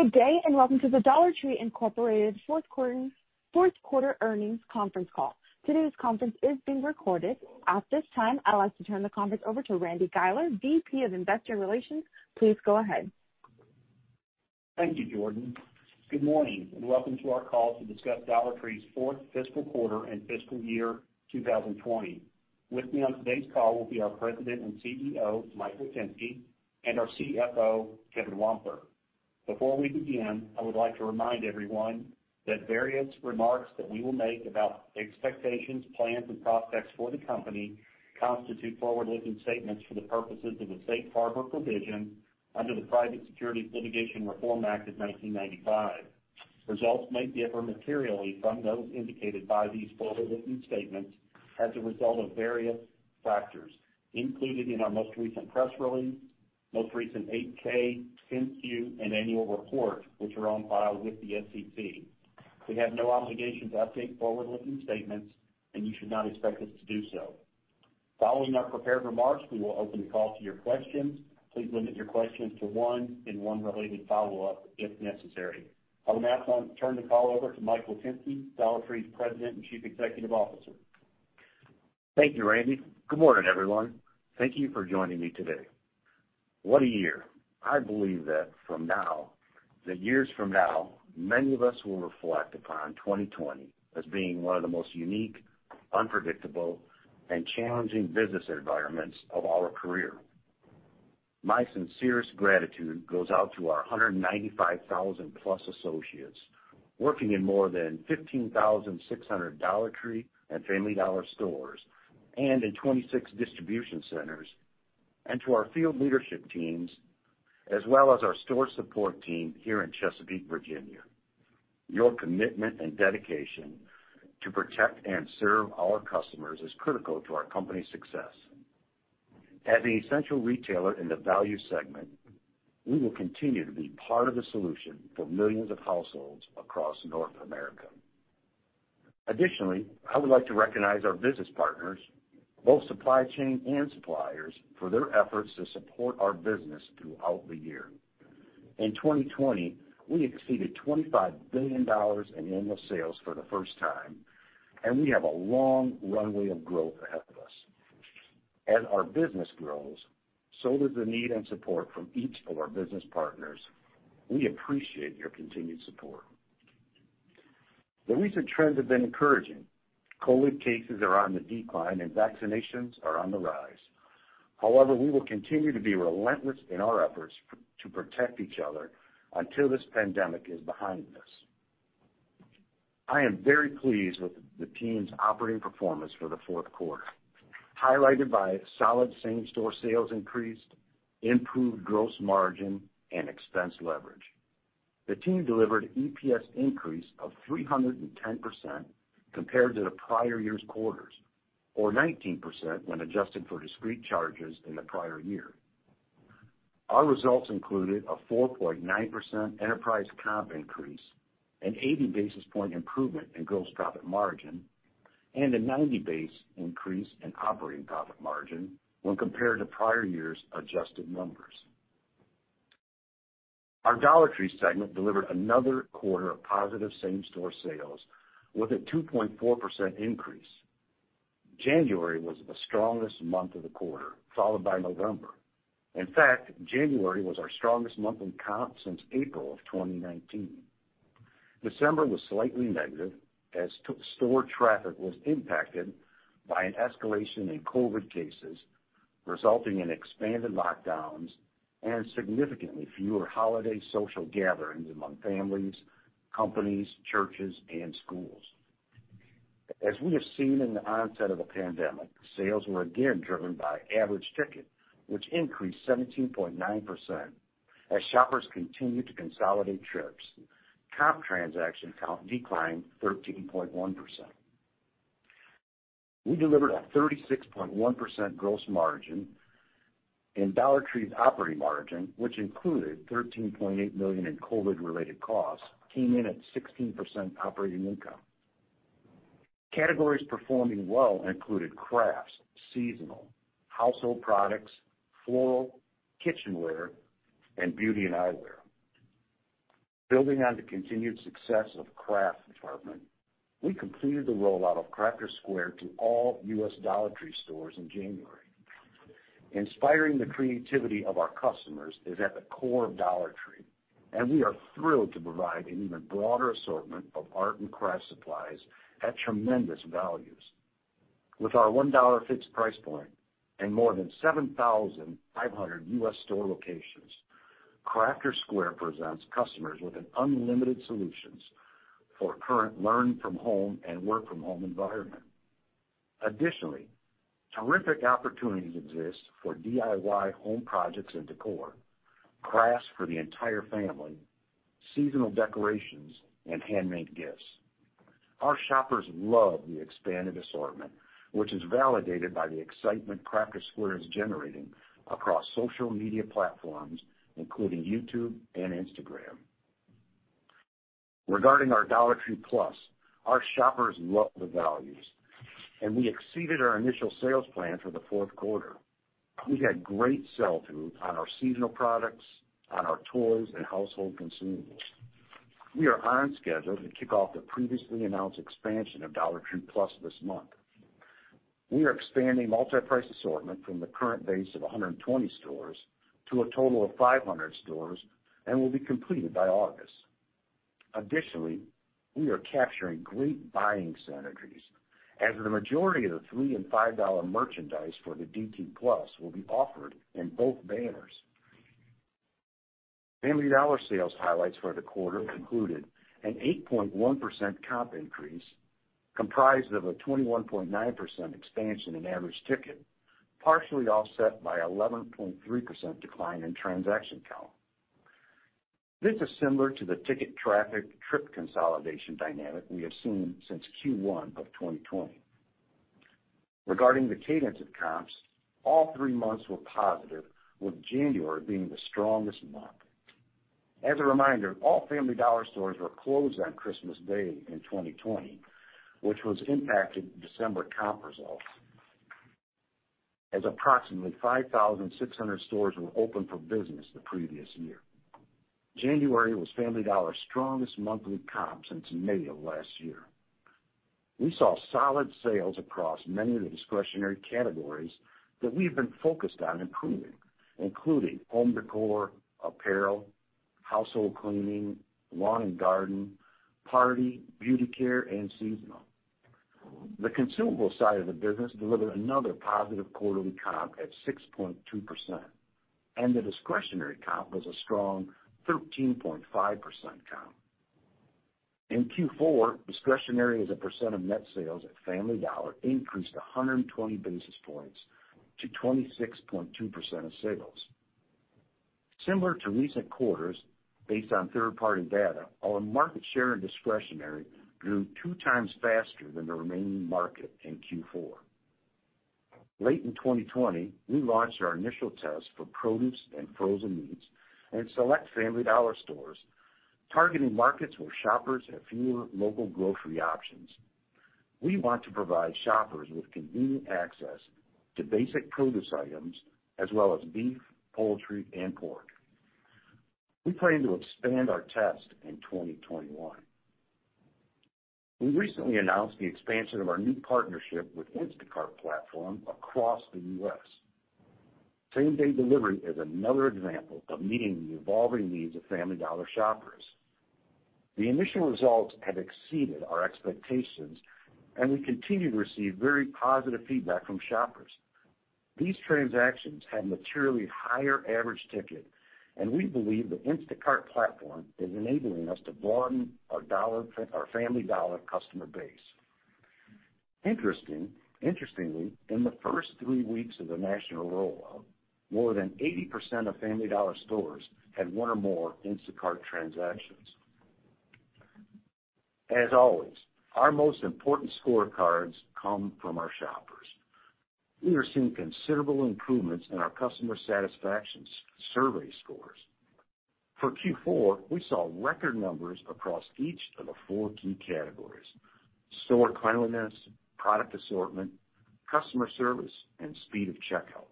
Good day, and welcome to the Dollar Tree, Inc. fourth quarter earnings conference call. Today's conference is being recorded. At this time, I'd like to turn the conference over to Randy Guiler, VP of Investor Relations. Please go ahead. Thank you, Jordan. Good morning, and welcome to our call to discuss Dollar Tree's fourth fiscal quarter and fiscal year 2020. With me on today's call will be our President and CEO, Mike Witynski, and our CFO, Kevin Wampler. Before we begin, I would like to remind everyone that various remarks that we will make about expectations, plans, and prospects for the company constitute forward-looking statements for the purposes of the Safe Harbor provision under the Private Securities Litigation Reform Act of 1995. Results may differ materially from those indicated by these forward-looking statements as a result of various factors included in our most recent press release, most recent 8-K, 10-Q, and annual report, which are on file with the SEC. We have no obligation to update forward-looking statements, and you should not expect us to do so. Following our prepared remarks, we will open the call to your questions. Please limit your questions to one and one related follow-up if necessary. I will now turn the call over to Mike Witynski, Dollar Tree's President and Chief Executive Officer. Thank you, Randy. Good morning, everyone. Thank you for joining me today. What a year. I believe that years from now, many of us will reflect upon 2020 as being one of the most unique, unpredictable, and challenging business environments of our career. My sincerest gratitude goes out to our 195,000-plus associates working in more than 15,600 Dollar Tree and Family Dollar stores and in 26 distribution centers, and to our field leadership teams, as well as our store support team here in Chesapeake, Virginia. Your commitment and dedication to protect and serve our customers is critical to our company's success. As the essential retailer in the value segment, we will continue to be part of the solution for millions of households across North America. Additionally, I would like to recognize our business partners, both supply chain and suppliers, for their efforts to support our business throughout the year. In 2020, we exceeded $25 billion in annual sales for the first time. We have a long runway of growth ahead of us. As our business grows, so does the need and support from each of our business partners. We appreciate your continued support. The recent trends have been encouraging. COVID cases are on the decline. Vaccinations are on the rise. However, we will continue to be relentless in our efforts to protect each other until this pandemic is behind us. I am very pleased with the team's operating performance for the fourth quarter, highlighted by solid same-store sales increase, improved gross margin, and expense leverage. The team delivered EPS increase of 310% compared to the prior year's quarters or 19% when adjusted for discrete charges in the prior year. Our results included a 4.9% enterprise comp increase, an 80 basis point improvement in gross profit margin, and a 90 base increase in operating profit margin when compared to prior year's adjusted numbers. Our Dollar Tree segment delivered another quarter of positive same-store sales with a 2.4% increase. January was the strongest month of the quarter, followed by November. In fact, January was our strongest month in comps since April of 2019. December was slightly negative as store traffic was impacted by an escalation in COVID cases, resulting in expanded lockdowns and significantly fewer holiday social gatherings among families, companies, churches, and schools. As we have seen in the onset of the pandemic, sales were again driven by average ticket, which increased 17.9%. As shoppers continued to consolidate trips, comp transaction count declined 13.1%. We delivered a 36.1% gross margin. Dollar Tree's operating margin, which included $13.8 million in COVID-related costs, came in at 16% operating income. Categories performing well included crafts, seasonal, household products, floral, kitchenware, and beauty and eyewear. Building on the continued success of craft department, we completed the rollout of Crafter's Square to all U.S. Dollar Tree stores in January. Inspiring the creativity of our customers is at the core of Dollar Tree. We are thrilled to provide an even broader assortment of art and craft supplies at tremendous values. With our $1 fixed price point and more than 7,500 U.S. store locations, Crafter's Square presents customers with unlimited solutions for current learn-from-home and work-from-home environment. Terrific opportunities exist for DIY home projects and decor, crafts for the entire family, seasonal decorations, and handmade gifts. Our shoppers love the expanded assortment, which is validated by the excitement Crafter's Square is generating across social media platforms, including YouTube and Instagram. Regarding our Dollar Tree Plus!, our shoppers love the values, and we exceeded our initial sales plan for the fourth quarter. We had great sell-through on our seasonal products, on our toys, and household consumables. We are on schedule to kick off the previously announced expansion of Dollar Tree Plus! this month. We are expanding multi-price assortment from the current base of 120 stores to a total of 500 stores, and will be completed by August. Additionally, we are capturing great buying synergies, as the majority of the $3 and $5 merchandise for the DT Plus! will be offered in both banners. Family Dollar sales highlights for the quarter concluded an 8.1% comp increase, comprised of a 21.9% expansion in average ticket, partially offset by 11.3% decline in transaction count. This is similar to the ticket traffic trip consolidation dynamic we have seen since Q1 of 2020. Regarding the cadence of comps, all three months were positive, with January being the strongest month. As a reminder, all Family Dollar stores were closed on Christmas Day in 2020, which has impacted December comp results, as approximately 5,600 stores were open for business the previous year. January was Family Dollar's strongest monthly comp since May of last year. We saw solid sales across many of the discretionary categories that we have been focused on improving, including home decor, apparel, household cleaning, lawn and garden, party, beauty care, and seasonal. The consumable side of the business delivered another positive quarterly comp at 6.2%, and the discretionary comp was a strong 13.5% comp. In Q4, discretionary as a percent of net sales at Family Dollar increased 120 basis points to 26.2% of sales. Similar to recent quarters, based on third-party data, our market share in discretionary grew 2x faster than the remaining market in Q4. Late in 2020, we launched our initial test for produce and frozen meats in select Family Dollar stores, targeting markets where shoppers have fewer local grocery options. We want to provide shoppers with convenient access to basic produce items, as well as beef, poultry, and pork. We plan to expand our test in 2021. We recently announced the expansion of our new partnership with Instacart platform across the U.S. Same-day delivery is another example of meeting the evolving needs of Family Dollar shoppers. The initial results have exceeded our expectations, and we continue to receive very positive feedback from shoppers. These transactions have materially higher average ticket, and we believe the Instacart platform is enabling us to broaden our Family Dollar customer base. Interestingly, in the first three weeks of the national rollout, more than 80% of Family Dollar stores had one or more Instacart transactions. As always, our most important scorecards come from our shoppers. We are seeing considerable improvements in our customer satisfaction survey scores. For Q4, we saw record numbers across each of the four key categories, store cleanliness, product assortment, customer service, and speed of checkout.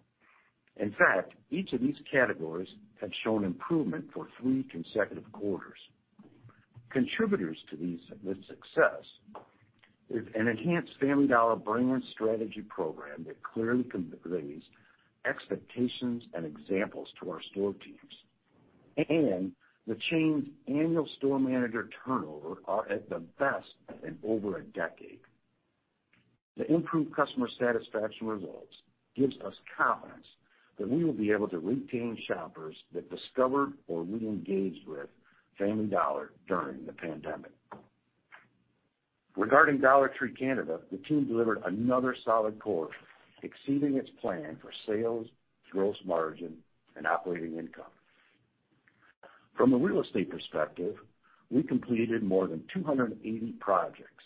In fact, each of these categories have shown improvement for three consecutive quarters. Contributors to this success is an enhanced Family Dollar brand strategy program that clearly conveys expectations and examples to our store teams, and the chain's annual store manager turnover are at the best in over a decade. The improved customer satisfaction results gives us confidence that we will be able to retain shoppers that discovered or re-engaged with Family Dollar during the pandemic. Regarding Dollar Tree Canada, the team delivered another solid quarter, exceeding its plan for sales, gross margin, and operating income. From a real estate perspective, we completed more than 280 projects,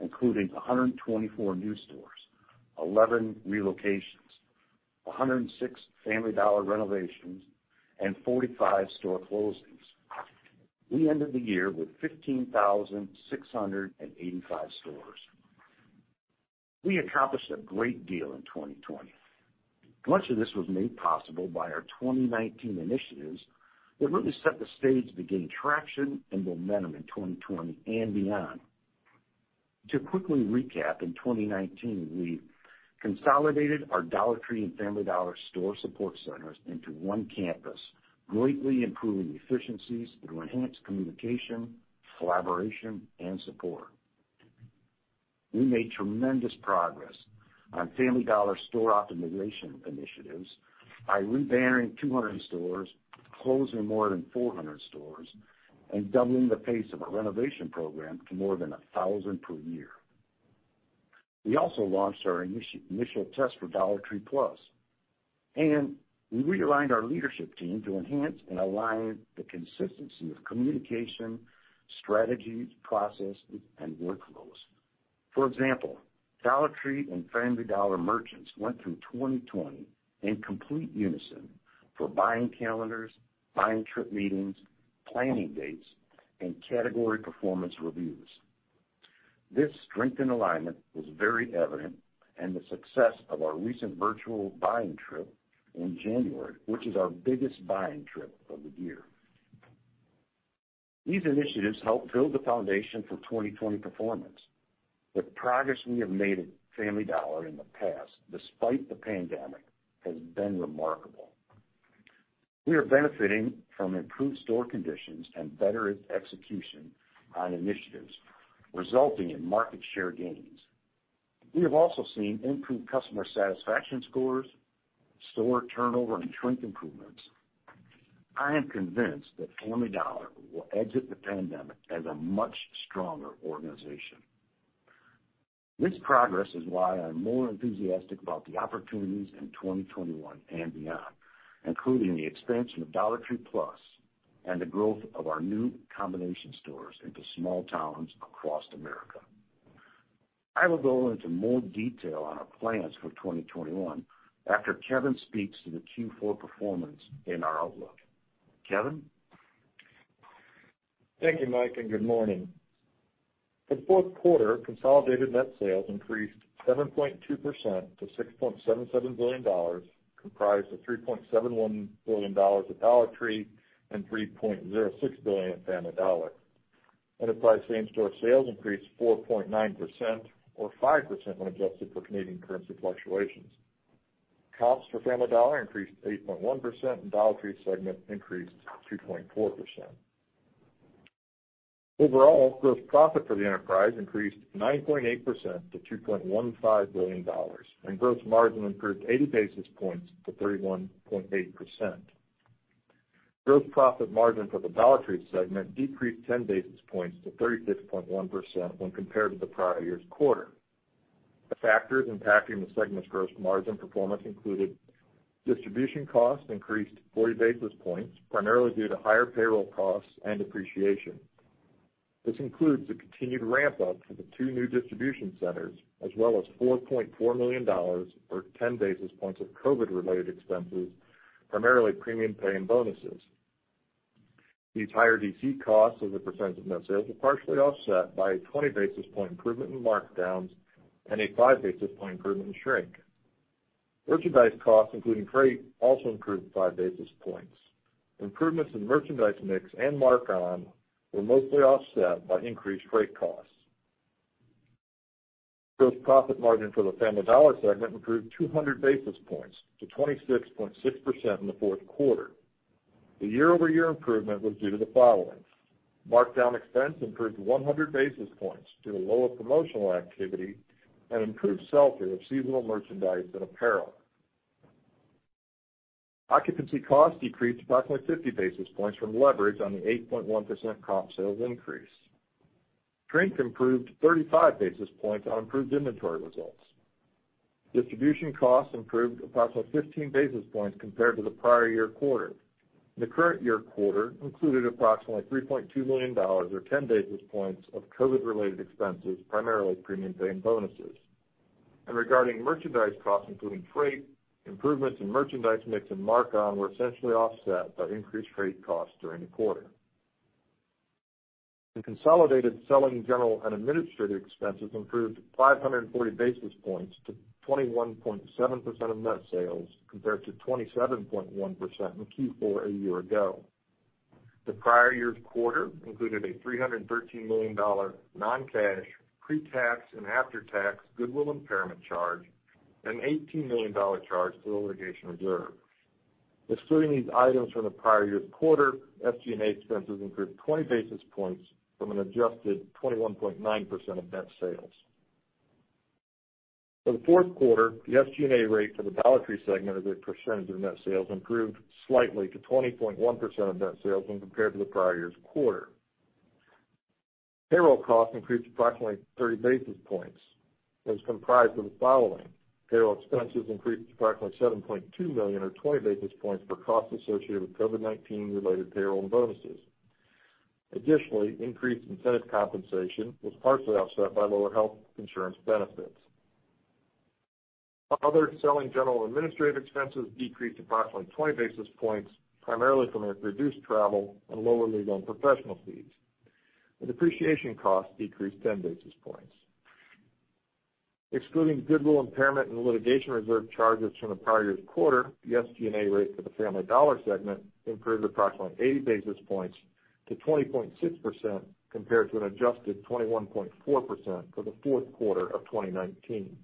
including 124 new stores, 11 relocations, 106 Family Dollar renovations, and 45 store closings. We ended the year with 15,685 stores. We accomplished a great deal in 2020. Much of this was made possible by our 2019 initiatives that really set the stage to gain traction and momentum in 2020 and beyond. To quickly recap, in 2019, we consolidated our Dollar Tree and Family Dollar store support centers into one campus, greatly improving efficiencies through enhanced communication, collaboration, and support. We made tremendous progress on Family Dollar store optimization initiatives by re-branding 200 stores, closing more than 400 stores, and doubling the pace of our renovation program to more than 1,000 per year. We also launched our initial test for Dollar Tree Plus!, and we realigned our leadership team to enhance and align the consistency of communication, strategy, process, and workflows. For example, Dollar Tree and Family Dollar merchants went through 2020 in complete unison for buying calendars, buying trip meetings, planning dates, and category performance reviews. This strengthened alignment was very evident in the success of our recent virtual buying trip in January, which is our biggest buying trip of the year. These initiatives helped build the foundation for 2020 performance. The progress we have made at Family Dollar in the past, despite the pandemic, has been remarkable. We are benefiting from improved store conditions and better execution on initiatives, resulting in market share gains. We have also seen improved customer satisfaction scores, store turnover and shrink improvements. I am convinced that Family Dollar will exit the pandemic as a much stronger organization. This progress is why I'm more enthusiastic about the opportunities in 2021 and beyond, including the expansion of Dollar Tree Plus! and the growth of our new combination stores into small towns across America. I will go into more detail on our plans for 2021 after Kevin speaks to the Q4 performance and our outlook. Kevin? Thank you, Mike, and good morning. For the fourth quarter, consolidated net sales increased 7.2% to $6.77 billion, comprised of $3.71 billion at Dollar Tree and $3.06 billion at Family Dollar. Enterprise same-store sales increased 4.9%, or 5% when adjusted for Canadian currency fluctuations. Comps for Family Dollar increased 8.1%, and Dollar Tree segment increased 2.4%. Overall, gross profit for the enterprise increased 9.8% to $2.15 billion and gross margin improved 80 basis points to 31.8%. Gross profit margin for the Dollar Tree segment decreased 10 basis points to 36.1% when compared to the prior year's quarter. The factors impacting the segment's gross margin performance included distribution costs increased 40 basis points, primarily due to higher payroll costs and depreciation. This includes the continued ramp-up for the two new distribution centers, as well as $4.4 million or 10 basis points of COVID-related expenses, primarily premium pay and bonuses. These higher DC costs as a percentage of net sales were partially offset by a 20 basis point improvement in markdowns and a five basis point improvement in shrink. Merchandise costs, including freight, also improved five basis points. Improvements in merchandise mix and mark-on were mostly offset by increased freight costs. Gross profit margin for the Family Dollar segment improved 200 basis points to 26.6% in the fourth quarter. The year-over-year improvement was due to the following: Markdown expense improved 100 basis points due to lower promotional activity and improved sell-through of seasonal merchandise and apparel. Occupancy costs decreased approximately 50 basis points from leverage on the 8.1% comp sales increase. Shrink improved 35 basis points on improved inventory results. Distribution costs improved approximately 15 basis points compared to the prior-year quarter. The current year quarter included approximately $3.2 million or 10 basis points of COVID-related expenses, primarily premium pay and bonuses. Regarding merchandise costs, including freight, improvements in merchandise mix and mark-on were essentially offset by increased freight costs during the quarter. The consolidated selling, general, and administrative expenses improved 540 basis points to 21.7% of net sales, compared to 27.1% in Q4 a year ago. The prior year's quarter included a $313 million non-cash pre-tax and after-tax goodwill impairment charge and an $18 million charge for a litigation reserve. Excluding these items from the prior year's quarter, SG&A expenses improved 20 basis points from an adjusted 21.9% of net sales. For the fourth quarter, the SG&A rate for the Dollar Tree segment as a percentage of net sales improved slightly to 20.1% of net sales when compared to the prior year's quarter. Payroll costs increased approximately 30 basis points and was comprised of the following: Payroll expenses increased approximately $7.2 million or 20 basis points for costs associated with COVID-19 related payroll and bonuses. Additionally, increased incentive compensation was partially offset by lower health insurance benefits. Other selling, general, and administrative expenses decreased approximately 20 basis points, primarily from a reduced travel and lower legal and professional fees. Depreciation costs decreased 10 basis points. Excluding goodwill impairment and litigation reserve charges from the prior year's quarter, the SG&A rate for the Family Dollar segment improved approximately 80 basis points to 20.6% compared to an adjusted 21.4% for the fourth quarter of 2019.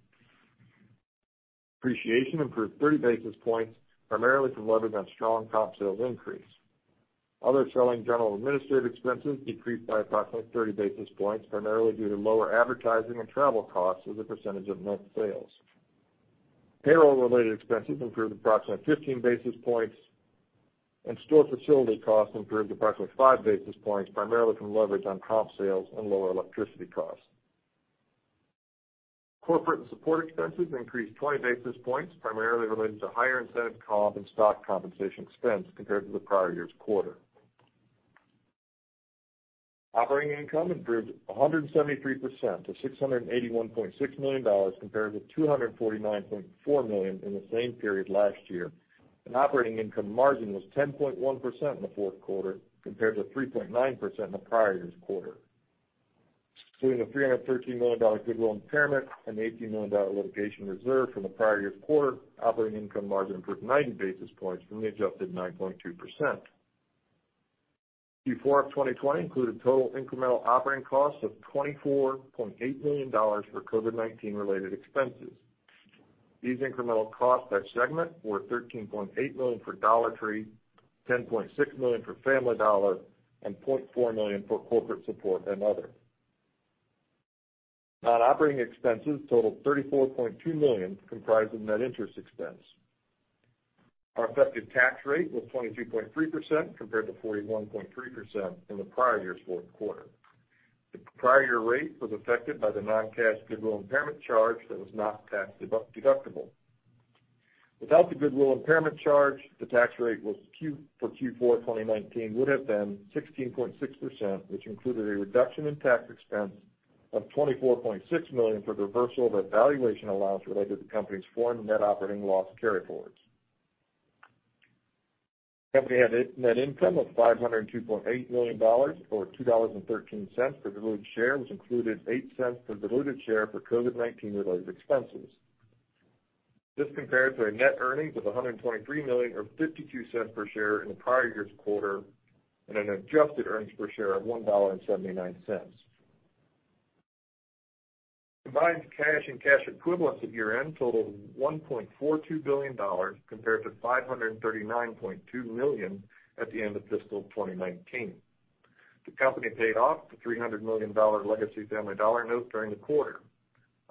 Depreciation improved 30 basis points, primarily from leverage on strong comp sales increase. Other selling, general, and administrative expenses decreased by approximately 30 basis points, primarily due to lower advertising and travel costs as a percentage of net sales. Payroll-related expenses improved approximately 15 basis points, and store facility costs improved approximately five basis points, primarily from leverage on comp sales and lower electricity costs. Corporate and support expenses increased 20 basis points, primarily related to higher incentive comp and stock compensation expense compared to the prior year's quarter. Operating income improved 173% to $681.6 million compared with $249.4 million in the same period last year, and operating income margin was 10.1% in the fourth quarter compared to 3.9% in the prior year's quarter. Including the $313 million goodwill impairment and the $18 million litigation reserve from the prior year's quarter, operating income margin improved 90 basis points from the adjusted 9.2%. Q4 of 2020 included total incremental operating costs of $24.8 million for COVID-19 related expenses. These incremental costs by segment were $13.8 million for Dollar Tree, $10.6 million for Family Dollar, and $0.4 million for corporate support and other. Non-operating expenses totaled $34.2 million, comprised of net interest expense. Our effective tax rate was 22.3%, compared to 41.3% in the prior year's fourth quarter. The prior year rate was affected by the non-cash goodwill impairment charge that was not tax-deductible. Without the goodwill impairment charge, the tax rate for Q4 2019 would have been 16.6%, which included a reduction in tax expense of $24.6 million for the reversal of a valuation allowance related to the company's foreign net operating loss carryforwards. Company had net income of $502.8 million, or $2.13 per diluted share, which included $0.08 per diluted share for COVID-19 related expenses. This compared to our net earnings of $123 million, or $0.52 per share in the prior year's quarter, and an adjusted earnings per share of $1.79. Combined cash and cash equivalents at year-end totaled $1.42 billion, compared to $539.2 million at the end of fiscal 2019. The company paid off the $300 million legacy Family Dollar note during the quarter.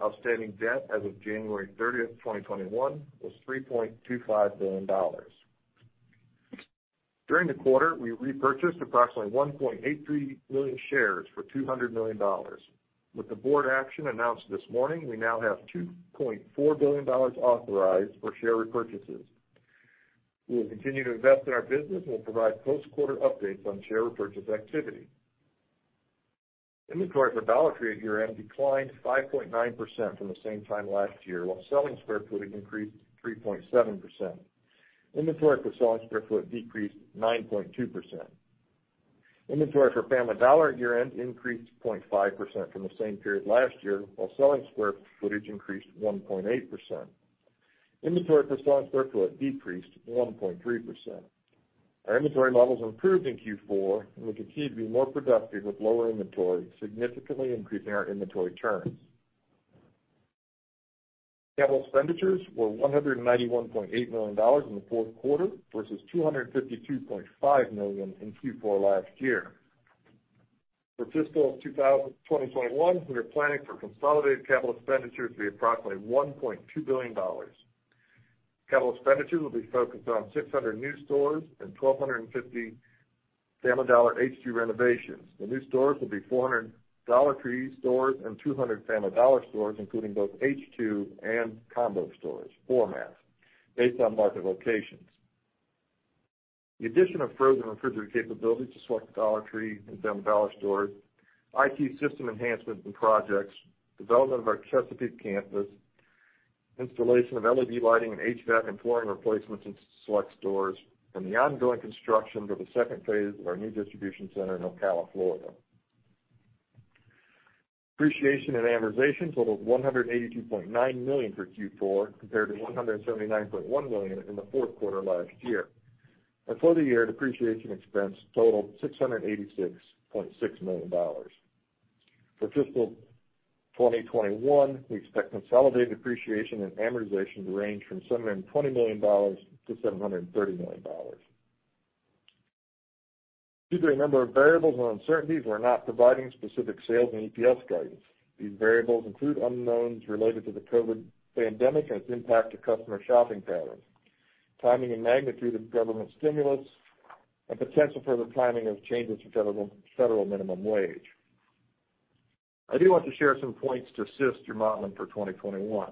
Outstanding debt as of January 30, 2021 was $3.25 billion. During the quarter, we repurchased approximately 1.83 million shares for $200 million. With the board action announced this morning, we now have $2.4 billion authorized for share repurchases. We will continue to invest in our business and will provide post-quarter updates on share repurchase activity. Inventory for Dollar Tree at year-end declined 5.9% from the same time last year, while selling square footage increased 3.7%. Inventory per selling square foot decreased 9.2%. Inventory for Family Dollar at year-end increased 0.5% from the same period last year, while selling square footage increased 1.8%. Inventory per selling square foot decreased 1.3%. Our inventory levels improved in Q4, and we continue to be more productive with lower inventory, significantly increasing our inventory turns. Capital expenditures were $191.8 million in the fourth quarter versus $252.5 million in Q4 last year. For fiscal 2021, we are planning for consolidated capital expenditures to be approximately $1.2 billion. Capital expenditures will be focused on 600 new stores and 1,250 Family Dollar H2 renovations. The new stores will be 400 Dollar Tree stores and 200 Family Dollar stores, including both H2 and combo stores formats based on market locations. The addition of frozen refrigerator capability to select Dollar Tree and Family Dollar stores, IT system enhancements and projects, development of our Chesapeake campus, installation of LED lighting and HVAC and flooring replacements in select stores, and the ongoing construction of the second phase of our new distribution center in Ocala, Florida. Depreciation and amortization totaled $182.9 million for Q4, compared to $179.1 million in the fourth quarter last year, and for the year, depreciation expense totaled $686.6 million. For fiscal 2021, we expect consolidated depreciation and amortization to range from $720 million-$730 million. Due to a number of variables and uncertainties, we're not providing specific sales and EPS guidance. These variables include unknowns related to the COVID pandemic and its impact to customer shopping patterns, timing and magnitude of government stimulus, and potential further timing of changes to federal minimum wage. I do want to share some points to assist your modeling for 2021.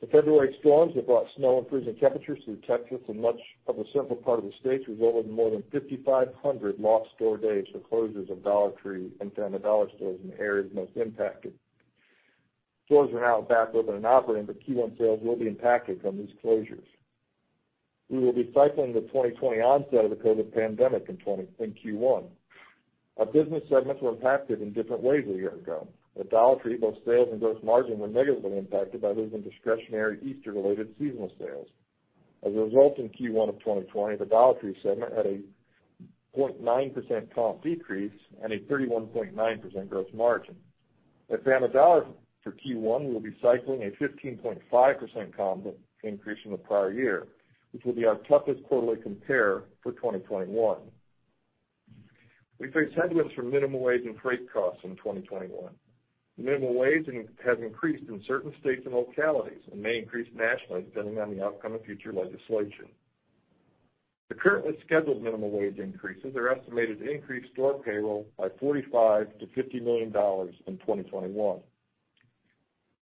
The February storms that brought snow and freezing temperatures through Texas and much of the central part of the states resulted in more than 5,500 lost store days for closures of Dollar Tree and Family Dollar stores in the areas most impacted. Stores are now back open and operating, but Q1 sales will be impacted from these closures. We will be cycling the 2020 onset of the COVID pandemic in Q1. Our business segments were impacted in different ways a year ago. At Dollar Tree, both sales and gross margin were negatively impacted by losing discretionary Easter-related seasonal sales. As a result, in Q1 of 2020, the Dollar Tree segment had a 0.9% comp decrease and a 31.9% gross margin. At Family Dollar for Q1, we'll be cycling a 15.5% comp increase from the prior year, which will be our toughest quarterly compare for 2021. We face headwinds from minimum wage and freight costs in 2021. The minimum wage has increased in certain states and localities and may increase nationally depending on the outcome of future legislation. The currently scheduled minimum wage increases are estimated to increase store payroll by $45 million-$50 million in 2021.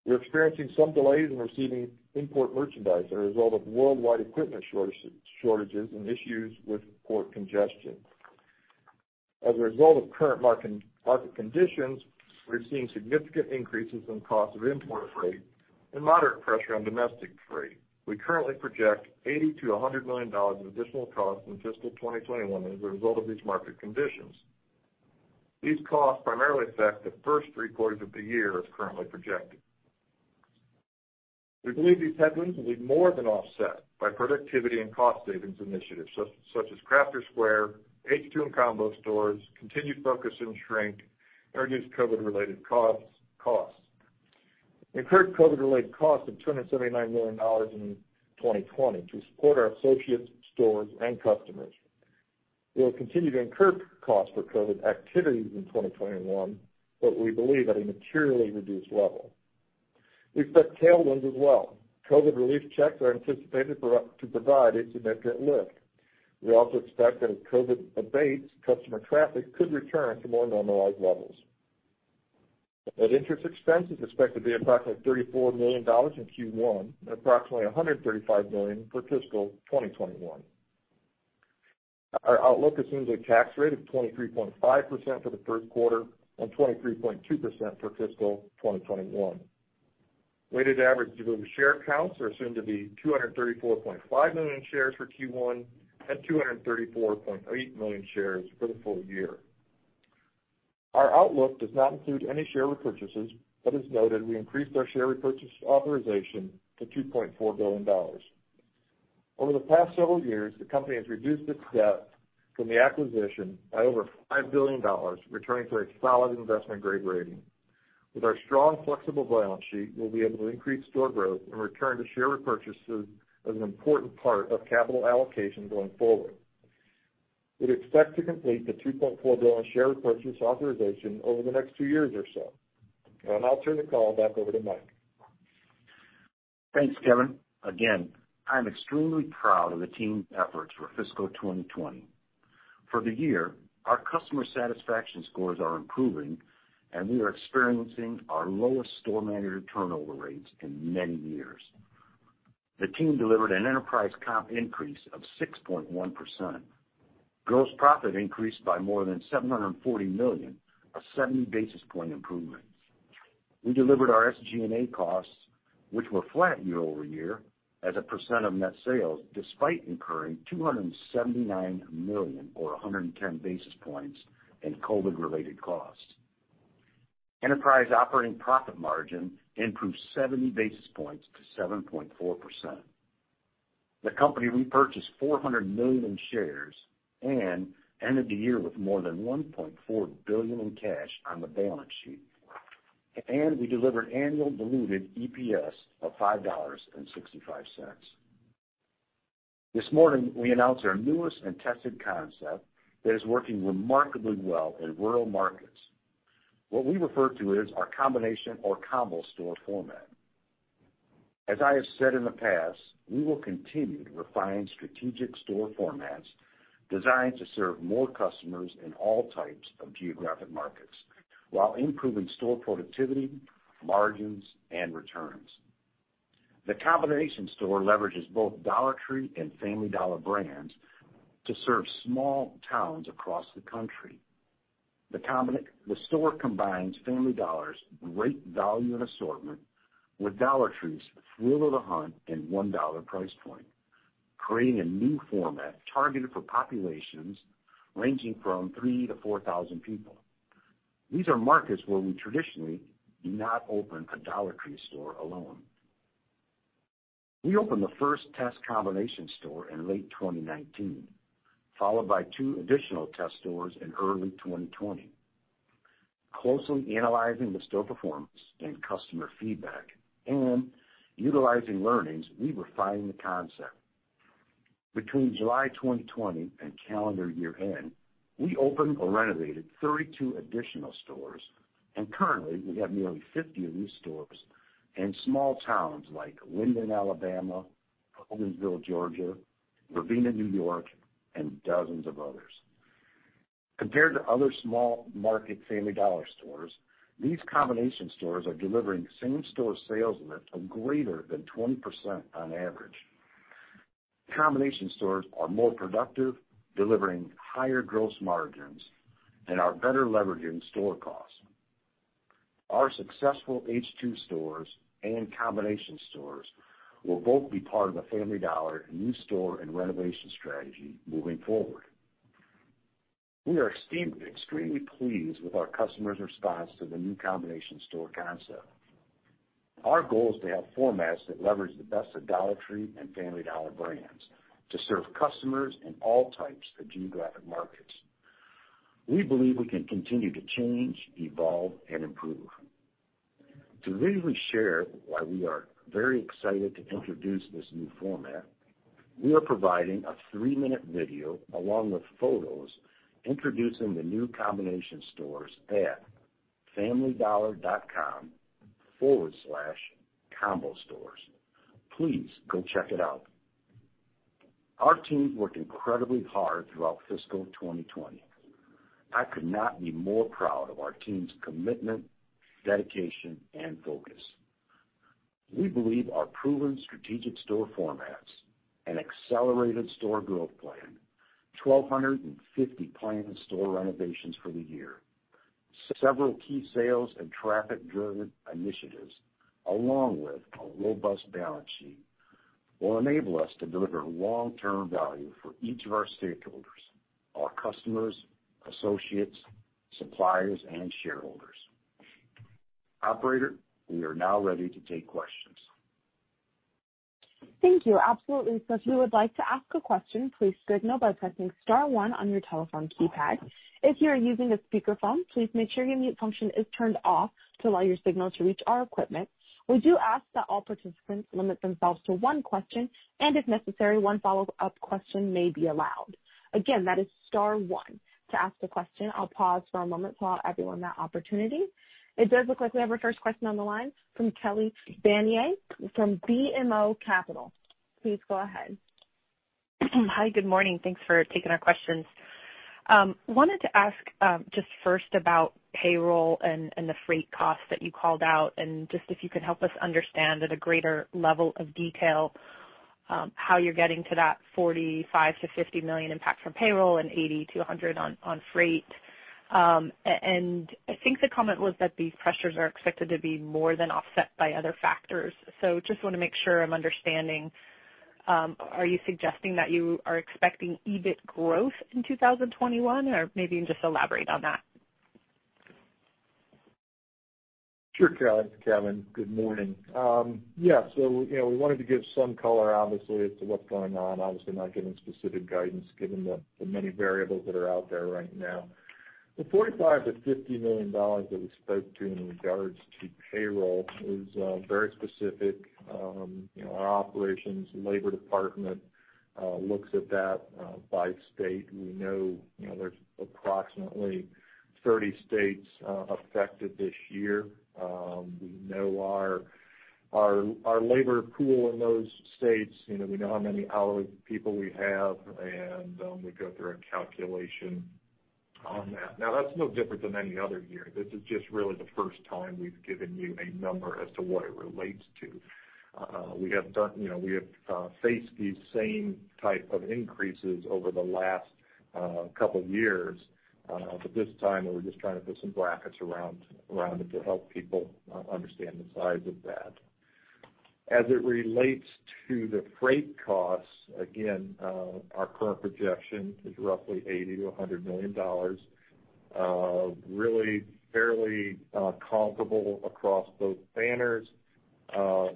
We're experiencing some delays in receiving import merchandise as a result of worldwide equipment shortages and issues with port congestion. As a result of current market conditions, we're seeing significant increases in costs of import freight and moderate pressure on domestic freight. We currently project $80 million-$100 million in additional costs in fiscal 2021 as a result of these market conditions. These costs primarily affect the first three quarters of the year as currently projected. We believe these headwinds will be more than offset by productivity and cost savings initiatives such as Crafter's Square, H2 and combo stores, continued focus in shrink, and reduced COVID-related costs. We incurred COVID-related costs of $279 million in 2020 to support our associates, stores, and customers. We will continue to incur costs for COVID activities in 2021, but we believe at a materially reduced level. We expect tailwinds as well. COVID relief checks are anticipated to provide a significant lift. We also expect that as COVID abates, customer traffic could return to more normalized levels. Net interest expense is expected to be approximately $34 million in Q1 and approximately $135 million for fiscal 2021. Our outlook assumes a tax rate of 23.5% for the third quarter and 23.2% for fiscal 2021. Weighted average diluted share counts are assumed to be 234.5 million shares for Q1 and 234.8 million shares for the full year. Our outlook does not include any share repurchases. As noted, we increased our share repurchase authorization to $2.4 billion. Over the past several years, the company has reduced its debt from the acquisition by over $5 billion, returning to a solid investment-grade rating. With our strong, flexible balance sheet, we'll be able to increase store growth and return to share repurchases as an important part of capital allocation going forward. We'd expect to complete the $2.4 billion share repurchase authorization over the next two years or so. I'll turn the call back over to Mike. Thanks, Kevin. Again, I am extremely proud of the team's efforts for fiscal 2020. For the year, our customer satisfaction scores are improving, and we are experiencing our lowest store manager turnover rates in many years. The team delivered an enterprise comp increase of 6.1%. Gross profit increased by more than $740 million, a 70-basis-point improvement. We delivered our SG&A costs, which were flat year-over-year, as a percent of net sales, despite incurring $279 million or 110 basis points in COVID-related costs. Enterprise operating profit margin improved 70 basis points to 7.4%. The company repurchased $400 million in shares and ended the year with more than $1.4 billion in cash on the balance sheet. We delivered annual diluted EPS of $5.65. This morning, we announced our newest and tested concept that is working remarkably well in rural markets, what we refer to as our combination or combo store format. As I have said in the past, we will continue to refine strategic store formats designed to serve more customers in all types of geographic markets while improving store productivity, margins, and returns. The combination store leverages both Dollar Tree and Family Dollar brands to serve small towns across the country. The store combines Family Dollar's great value and assortment with Dollar Tree's thrill of the hunt and $1 price point, creating a new format targeted for populations ranging from 3,000-4,000 people. These are markets where we traditionally do not open a Dollar Tree store alone. We opened the first test combination store in late 2019, followed by two additional test stores in early 2020. Closely analyzing the store performance and customer feedback and utilizing learnings, we refined the concept. Between July 2020 and calendar year-end, we opened or renovated 32 additional stores, and currently, we have nearly 50 of these stores in small towns like Linden, Alabama, Watkinsville, Georgia, Ravena, New York, and dozens of others. Compared to other small market Family Dollar stores, these combination stores are delivering same-store sales lift of greater than 20% on average. Combination stores are more productive, delivering higher gross margins and are better leveraging store costs. Our successful H2 stores and combination stores will both be part of the Family Dollar new store and renovation strategy moving forward. We are extremely pleased with our customers' response to the new combination store concept. Our goal is to have formats that leverage the best of Dollar Tree and Family Dollar brands to serve customers in all types of geographic markets. We believe we can continue to change, evolve, and improve. To really share why we are very excited to introduce this new format, we are providing a three-minute video along with photos introducing the new combination stores at familydollar.com/combostores. Please go check it out. Our team worked incredibly hard throughout fiscal 2020. I could not be more proud of our team's commitment, dedication, and focus. We believe our proven strategic store formats and accelerated store growth plan, 1,250 planned store renovations for the year, several key sales and traffic-driven initiatives, along with a robust balance sheet, will enable us to deliver long-term value for each of our stakeholders, our customers, associates, suppliers, and shareholders. Operator, we are now ready to take questions. Thank you. Absolutely. If you would like to ask a question, please signal by pressing star one on your telephone keypad. If you are using a speakerphone, please make sure your mute function is turned off to allow your signal to reach our equipment. We do ask that all participants limit themselves to one question, and if necessary, one follow-up question may be allowed. Again, that is star one to ask the question. I'll pause for a moment to allow everyone that opportunity. It does look like we have our first question on the line from Kelly Bania from BMO Capital. Please go ahead. Hi. Good morning. Thanks for taking our questions. Wanted to ask just first about payroll and the freight costs that you called out, just if you could help us understand at a greater level of detail how you're getting to that $45 million-$50 million impact from payroll and $80 million-$100 million on freight. I think the comment was that these pressures are expected to be more than offset by other factors. Just want to make sure I'm understanding. Are you suggesting that you are expecting EBIT growth in 2021, or maybe you can just elaborate on that? Sure, Kelly. It's Kevin. Good morning. Yeah. We wanted to give some color, obviously, as to what's going on. Not giving specific guidance given the many variables that are out there right now. The $45 million-$50 million that we spoke to in regards to payroll is very specific. Our operations labor department looks at that by state. We know there's approximately 30 states affected this year. We know our labor pool in those states, we know how many hourly people we have, and we go through a calculation on that. That's no different than any other year. This is just really the first time we've given you a number as to what it relates to. We have faced these same type of increases over the last couple of years. This time, we're just trying to put some brackets around it to help people understand the size of that. As it relates to the freight costs, again, our current projection is roughly $80 million to $100 million. Really fairly comparable across both banners.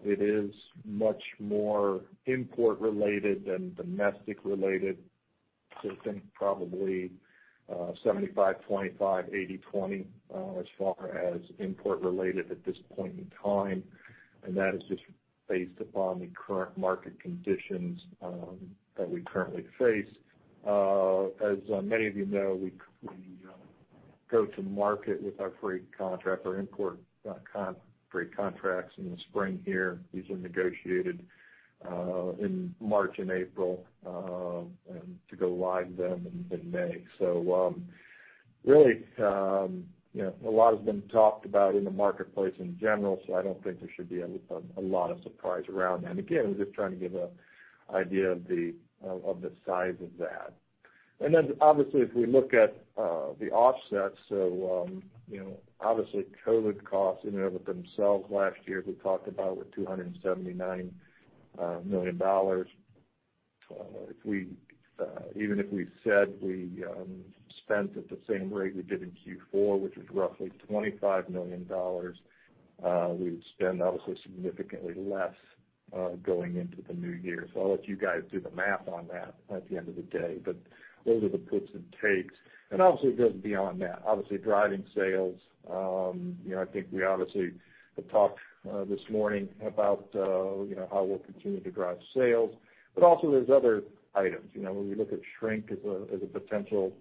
It is much more import related than domestic related. I think probably 75/25, 80/20 as far as import related at this point in time. That is just based upon the current market conditions that we currently face. As many of you know, we go-to-market with our freight contract, our import freight contracts in the spring here. These are negotiated in March and April, and to go live then in May. Really, a lot has been talked about in the marketplace in general, so I don't think there should be a lot of surprise around that. Again, I'm just trying to give an idea of the size of that. Then obviously, if we look at the offsets, obviously COVID costs in and of themselves last year, we talked about were $279 million. Even if we said we spent at the same rate we did in Q4, which was roughly $25 million, we would spend obviously significantly less going into the new year. I'll let you guys do the math on that at the end of the day, but those are the puts and takes. Obviously it goes beyond that. Obviously driving sales, I think we obviously have talked this morning about how we'll continue to drive sales. Also there's other items. When we look at shrink as a potential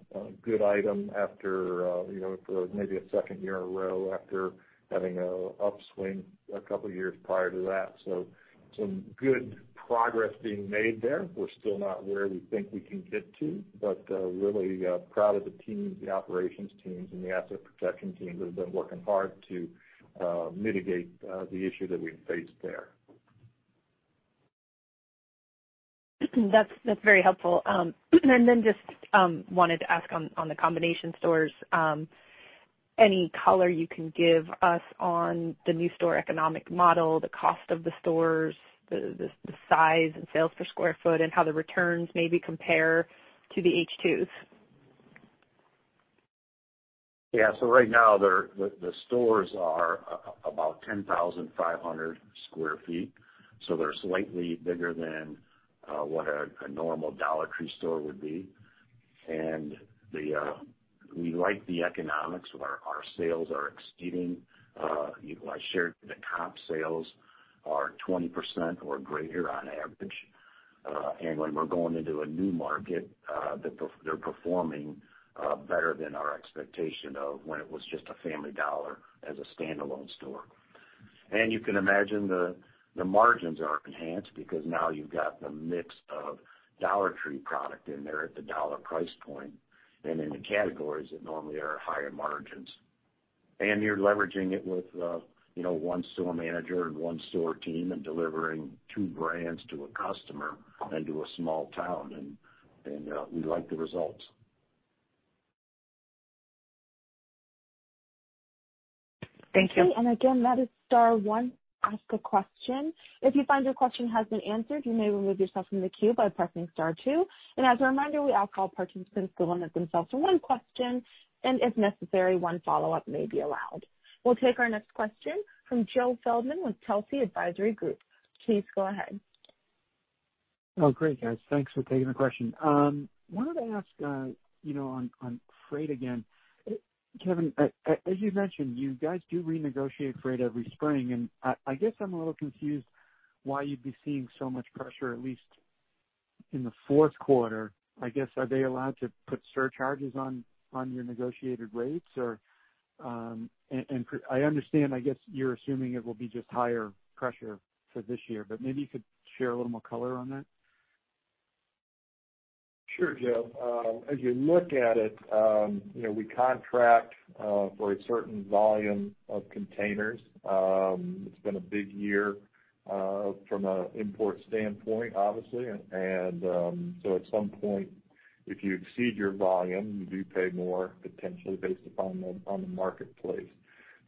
good item for maybe a second year in a row after having an upswing a couple of years prior to that. Some good progress being made there. We're still not where we think we can get to, but really proud of the teams, the operations teams and the asset protection teams who have been working hard to mitigate the issue that we faced there. That's very helpful. Just wanted to ask on the combination stores. Any color you can give us on the new store economic model, the cost of the stores, the size and sales per square foot, and how the returns maybe compare to the H2s? Yeah. Right now, the stores are about 10,500 sq ft.. They're slightly bigger than what a normal Dollar Tree store would be. We like the economics. Our sales are exceeding. I shared the comp sales are 20% or greater on average. When we're going into a new market, they're performing better than our expectation of when it was just a Family Dollar as a standalone store. You can imagine the margins are enhanced because now you've got the mix of Dollar Tree product in there at the dollar price point and in the categories that normally are higher margins. You're leveraging it with one store manager and one store team and delivering two brands to a customer and to a small town, and we like the results. Thank you. Again, that is star one, ask a question. If you find your question has been answered, you may remove yourself from the queue by pressing star two. As a reminder, we ask all participants to limit themselves to one question, and if necessary, one follow-up may be allowed. We'll take our next question from Joe Feldman with Telsey Advisory Group. Please go ahead. Oh, great, guys. Thanks for taking the question. Wanted to ask on freight again. Kevin, as you mentioned, you guys do renegotiate freight every spring, and I guess I'm a little confused why you'd be seeing so much pressure, at least in the fourth quarter. I guess, are they allowed to put surcharges on your negotiated rates or I understand, I guess, you're assuming it will be just higher pressure for this year, but maybe you could share a little more color on that. Sure, Joe. As you look at it, we contract for a certain volume of containers. It's been a big year from an import standpoint, obviously. At some point, if you exceed your volume, you do pay more potentially based upon the marketplace.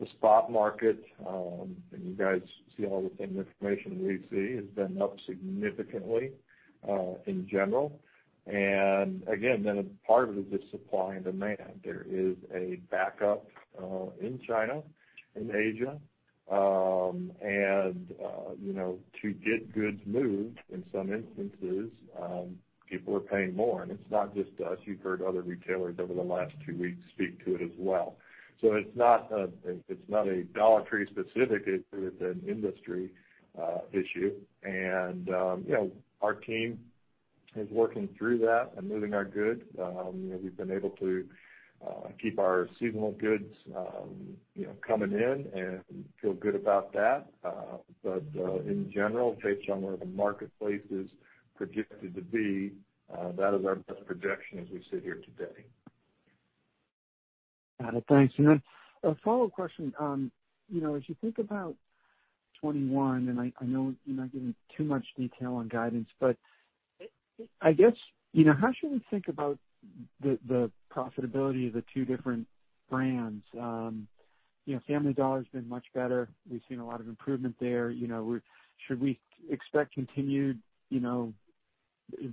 The spot market, and you guys see all the same information we see, has been up significantly in general. A part of it is just supply and demand. There is a backup in China, in Asia. To get goods moved in some instances, people are paying more. It's not just us. You've heard other retailers over the last two weeks speak to it as well. It's not a Dollar Tree specific issue. It's an industry issue. Our team is working through that and moving our goods. We've been able to keep our seasonal goods coming in and feel good about that. In general, based on where the marketplace is projected to be, that is our best projection as we sit here today. Got it. Thanks. A follow-up question. As you think about 2021, and I know you're not giving too much detail on guidance, but I guess, how should we think about the profitability of the two different brands? Family Dollar's been much better. We've seen a lot of improvement there. Should we expect continued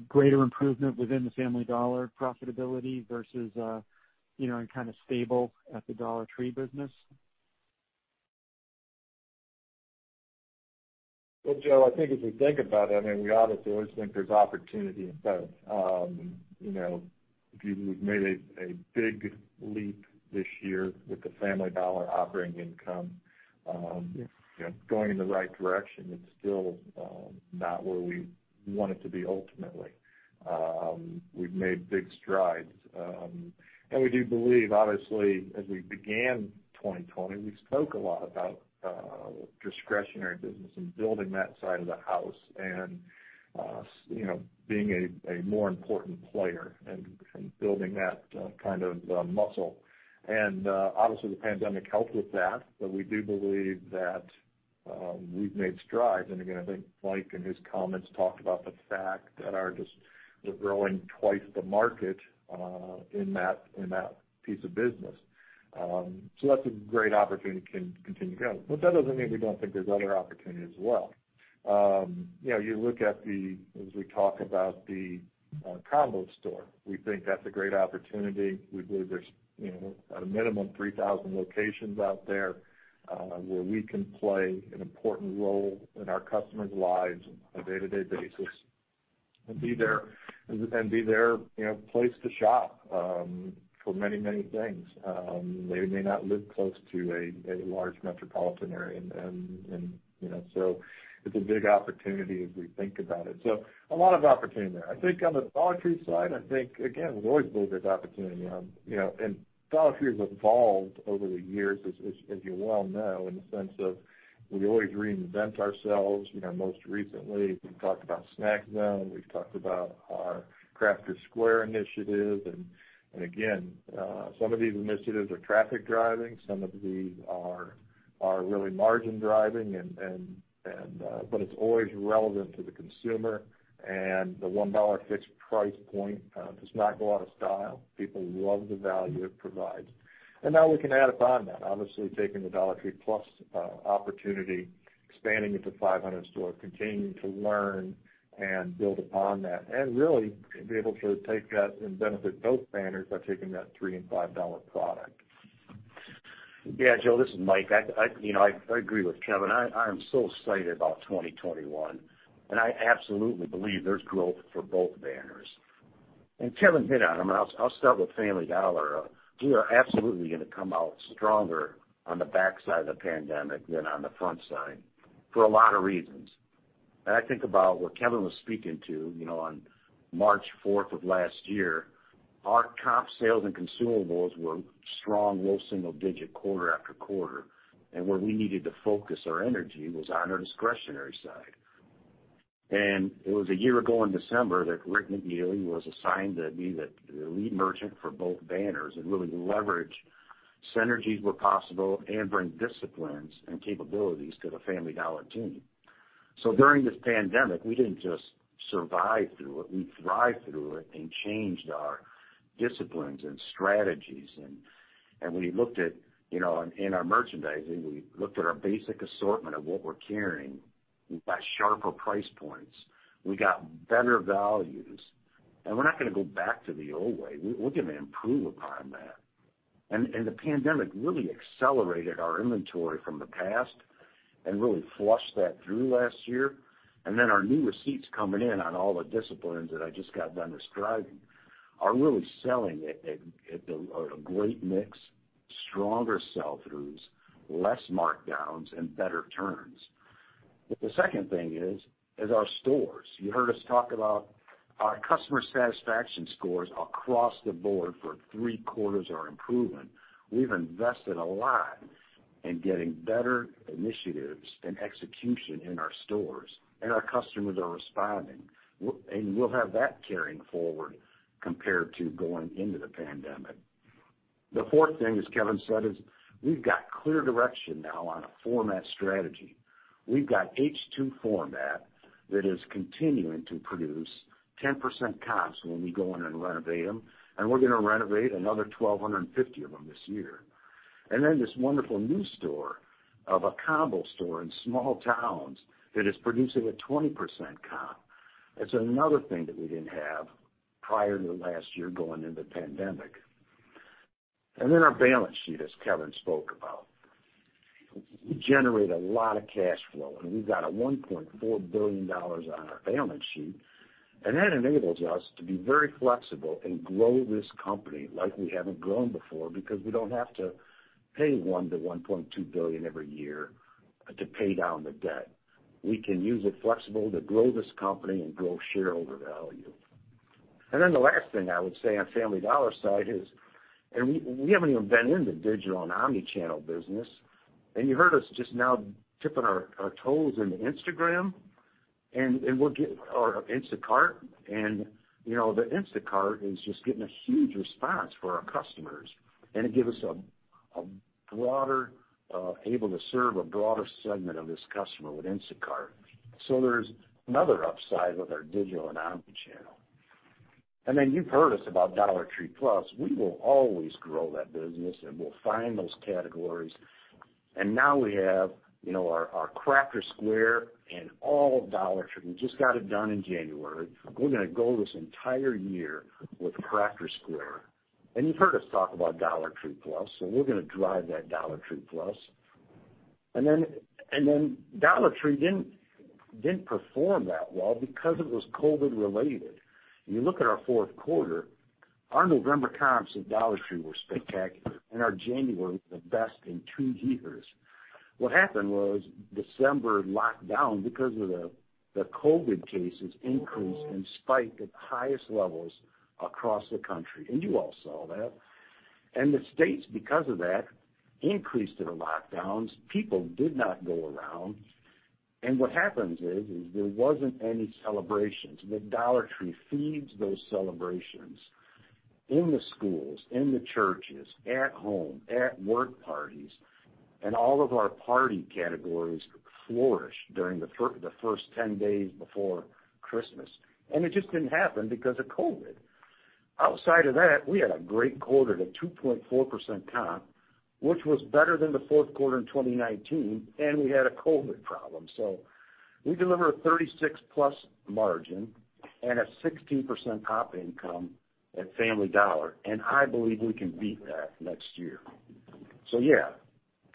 greater improvement within the Family Dollar profitability versus, and kind of stable at the Dollar Tree business? Well, Joe, I think as we think about it, I mean, we obviously always think there's opportunity in both. We've made a big leap this year with the Family Dollar operating income going in the right direction. It's still not where we want it to be ultimately. We've made big strides. We do believe, obviously, as we began 2020, we spoke a lot about discretionary business and building that side of the house and being a more important player and building that kind of muscle. Obviously, the pandemic helped with that, but we do believe that we've made strides. Again, I think Mike, in his comments, talked about the fact that we're growing twice the market in that piece of business. That's a great opportunity to continue to grow. That doesn't mean we don't think there's other opportunity as well. You look at the, as we talk about the combo store, we think that's a great opportunity. We believe there's, at a minimum, 3,000 locations out there where we can play an important role in our customers' lives on a day-to-day basis and be their place to shop for many, many things. They may not live close to a large metropolitan area. It's a big opportunity as we think about it. A lot of opportunity there. I think on the Dollar Tree side, I think, again, we always believe there's opportunity. Dollar Tree has evolved over the years, as you well know, in the sense of we always reinvent ourselves. Most recently, we've talked about Snack Zone, we've talked about our Crafter's Square initiative. Again, some of these initiatives are traffic-driving, some of these are really margin-driving, but it's always relevant to the consumer and the $1 fixed price point does not go out of style. People love the value it provides. Now we can add upon that, obviously taking the Dollar Tree Plus! opportunity, expanding it to 500 stores, continuing to learn and build upon that, and really be able to take that and benefit both banners by taking that $3 and $5 product. Yeah, Joe, this is Mike. I agree with Kevin. I am so excited about 2021. I absolutely believe there's growth for both banners. Kevin hit on them. I'll start with Family Dollar. We are absolutely gonna come out stronger on the backside of the pandemic than on the front side for a lot of reasons. I think about what Kevin was speaking to on March 4th of last year, our comp sales and consumables were strong low single-digit quarter-after-quarter. Where we needed to focus our energy was on our discretionary side. It was a year ago in December that Rick McNeely was assigned to be the lead merchant for both banners and really leverage synergies where possible and bring disciplines and capabilities to the Family Dollar team. During this pandemic, we didn't just survive through it, we thrived through it and changed our disciplines and strategies. We looked at in our merchandising, our basic assortment of what we're carrying. We've got sharper price points. We got better values. We're not going to go back to the old way. We're going to improve upon that. The pandemic really accelerated our inventory from the past and really flushed that through last year. Our new receipts coming in on all the disciplines that I just got done describing are really selling at a great mix, stronger sell-throughs, less markdowns, and better turns. The second thing is our stores. You heard us talk about our customer satisfaction scores across the board for three quarters are improving. We've invested a lot in getting better initiatives and execution in our stores, and our customers are responding. We'll have that carrying forward compared to going into the pandemic. The fourth thing, as Kevin said, is we've got clear direction now on a format strategy. We've got H2 format that is continuing to produce 10% comps when we go in and renovate them, and we're going to renovate another 1,250 of them this year. This wonderful new store of a combo store in small towns that is producing a 20% comp. That's another thing that we didn't have prior to last year going into the pandemic. Our balance sheet, as Kevin spoke about. We generate a lot of cash flow, we've got a $1.4 billion on our balance sheet, that enables us to be very flexible and grow this company like we haven't grown before because we don't have to pay $1 billion-$1.2 billion every year to pay down the debt. We can use it flexible to grow this company and grow shareholder value. The last thing I would say on Family Dollar side is, we haven't even been in the digital and omnichannel business. You heard us just now dipping our toes into Instagram, we'll get our Instacart. The Instacart is just getting a huge response for our customers, it gives us able to serve a broader segment of this customer with Instacart. There's another upside with our digital and omnichannel. You've heard us about Dollar Tree Plus! We will always grow that business, and we'll find those categories. Now we have our Crafter's Square and all of Dollar Tree. We just got it done in January. We're going to go this entire year with Crafter's Square. You've heard us talk about Dollar Tree Plus! so we're going to drive that Dollar Tree Plus! Dollar Tree didn't perform that well because it was COVID related. You look at our fourth quarter, our November comps at Dollar Tree were spectacular and our January the best in two years. What happened was December locked down because of the COVID cases increased and spiked at the highest levels across the country, and you all saw that. The states, because of that, increased their lockdowns. People did not go around. What happens is there wasn't any celebrations. The Dollar Tree feeds those celebrations in the schools, in the churches, at home, at work parties, and all of our party categories flourish during the first 10 days before Christmas. It just didn't happen because of COVID. Outside of that, we had a great quarter at a 2.4% comp, which was better than the fourth quarter in 2019, and we had a COVID problem. We delivered a 36+ margin and a 16% comp income at Family Dollar, and I believe we can beat that next year. Yeah,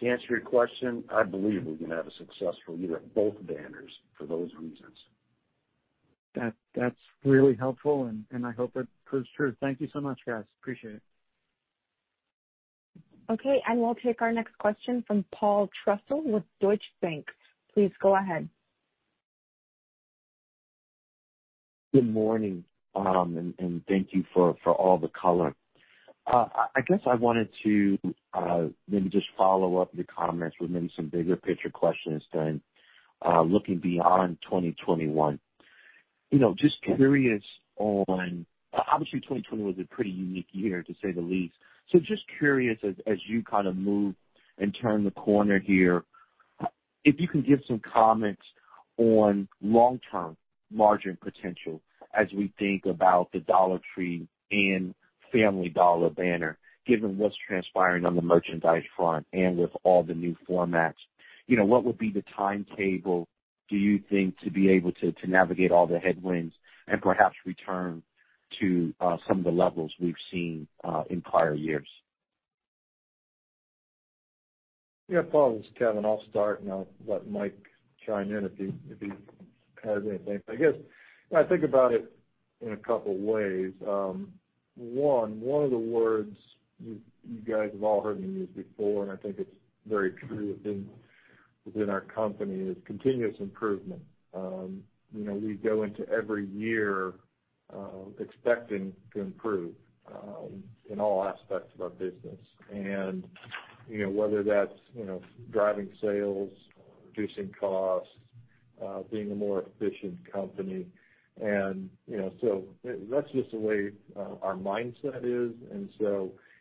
to answer your question, I believe we're going to have a successful year at both banners for those reasons. That's really helpful, and I hope it proves true. Thank you so much, guys. Appreciate it. Okay, we'll take our next question from Paul Trussell with Deutsche Bank. Please go ahead. Good morning. Thank you for all the color. I guess I wanted to maybe just follow up your comments with maybe some bigger picture questions then, looking beyond 2021. Just curious on obviously 2020 was a pretty unique year, to say the least. Just curious as you kind of move and turn the corner here, if you can give some comments on long-term margin potential as we think about the Dollar Tree and Family Dollar banner, given what's transpiring on the merchandise front and with all the new formats. What would be the timetable, do you think, to be able to navigate all the headwinds and perhaps return to some of the levels we've seen in prior years? Yeah, Paul, this is Kevin. I'll start, and I'll let Mike chime in if he has anything. I guess when I think about it in a couple ways. One of the words you guys have all heard me use before, and I think it's very true within our company, is continuous improvement. We go into every year expecting to improve in all aspects of our business, and whether that's driving sales or reducing costs, being a more efficient company. That's just the way our mindset is.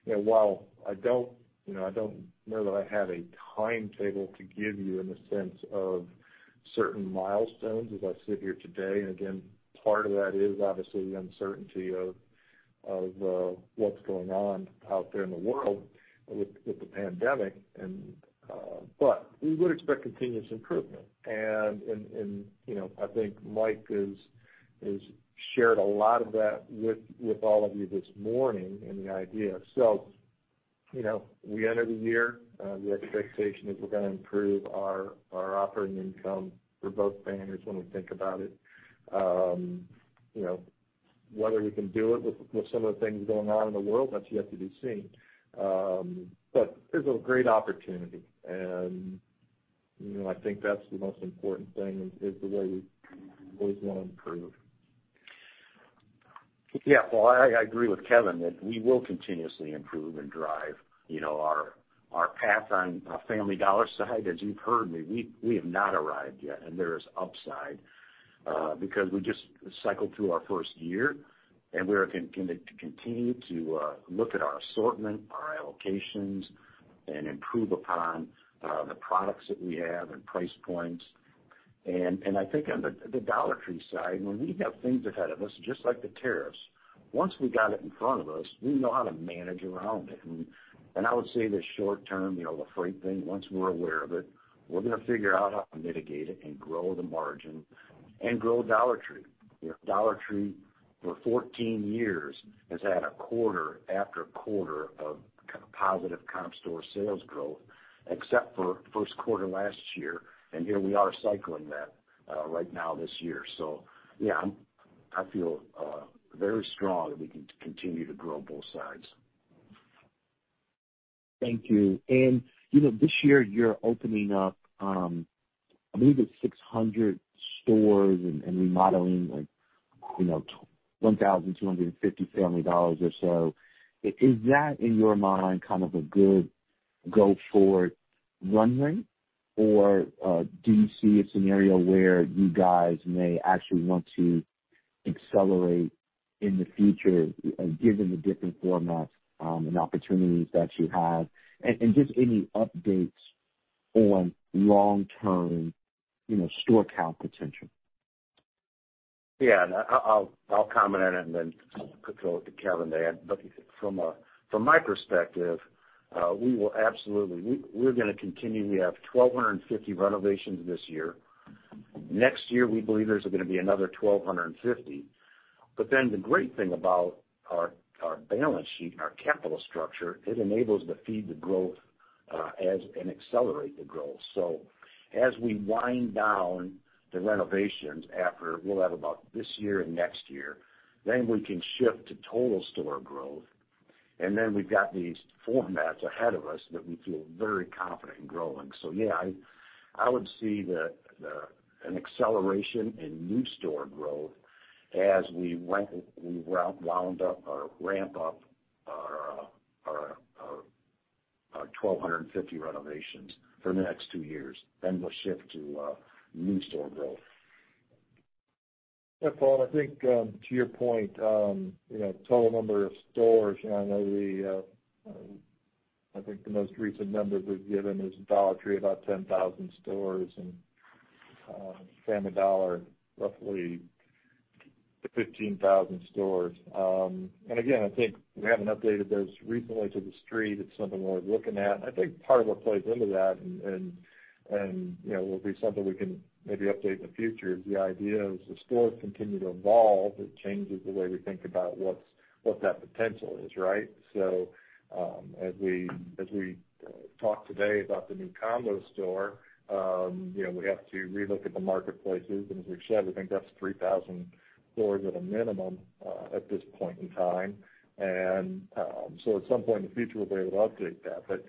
While I don't know that I have a timetable to give you in the sense of certain milestones as I sit here today, and again, part of that is obviously the uncertainty of what's going on out there in the world with the pandemic, but we would expect continuous improvement. I think Mike has shared a lot of that with all of you this morning and the idea. We enter the year, the expectation is we're going to improve our operating income for both banners when we think about it. Whether we can do it with some of the things going on in the world, that's yet to be seen. There's a great opportunity, and I think that's the most important thing, is the way we always want to improve. Yeah. Well, I agree with Kevin that we will continuously improve and drive our path on our Family Dollar side. As you've heard me, we have not arrived yet, and there is upside because we just cycled through our first year, and we are going to continue to look at our assortment, our allocations, and improve upon the products that we have and price points. I think on the Dollar Tree side, when we have things ahead of us, just like the tariffs, once we got it in front of us, we know how to manage around it. I would say the short term, the freight thing, once we're aware of it, we're going to figure out how to mitigate it and grow the margin and grow Dollar Tree. Dollar Tree for 14 years has had a quarter-after-quarter of positive comp store sales growth except for first quarter last year, and here we are cycling that right now this year. Yeah, I feel very strong that we can continue to grow both sides. Thank you. This year you're opening up, I believe it's 600 stores and remodeling 1,250 Family Dollars or so. Is that, in your mind, kind of a good go forward run-rate? Or do you see a scenario where you guys may actually want to accelerate in the future given the different formats and opportunities that you have? Just any updates on long-term store count potential. Yeah. I'll comment on it and then throw it to Kevin there. From my perspective, we will absolutely. We're going to continue. We have 1,250 renovations this year. Next year, we believe there's going to be another 1,250. The great thing about our balance sheet and our capital structure, it enables to feed the growth and accelerate the growth. As we wind down the renovations after, we'll have about this year and next year, we can shift to total store growth. We've got these formats ahead of us that we feel very confident in growing. Yeah, I would see an acceleration in new store growth as we ramp up our 1,250 renovations for the next two years. We'll shift to new store growth. Yeah, Paul, I think to your point, total number of stores, I think the most recent number we've given is Dollar Tree, about 10,000 stores, and Family Dollar, roughly 15,000 stores. Again, I think we haven't updated those recently to the street. It's something we're looking at. I think part of what plays into that and will be something we can maybe update in the future is the idea as the stores continue to evolve, it changes the way we think about what that potential is, right? As we talk today about the new combo store, we have to relook at the marketplaces. As we've said, we think that's 3,000 stores at a minimum at this point in time. At some point in the future, we'll be able to update that.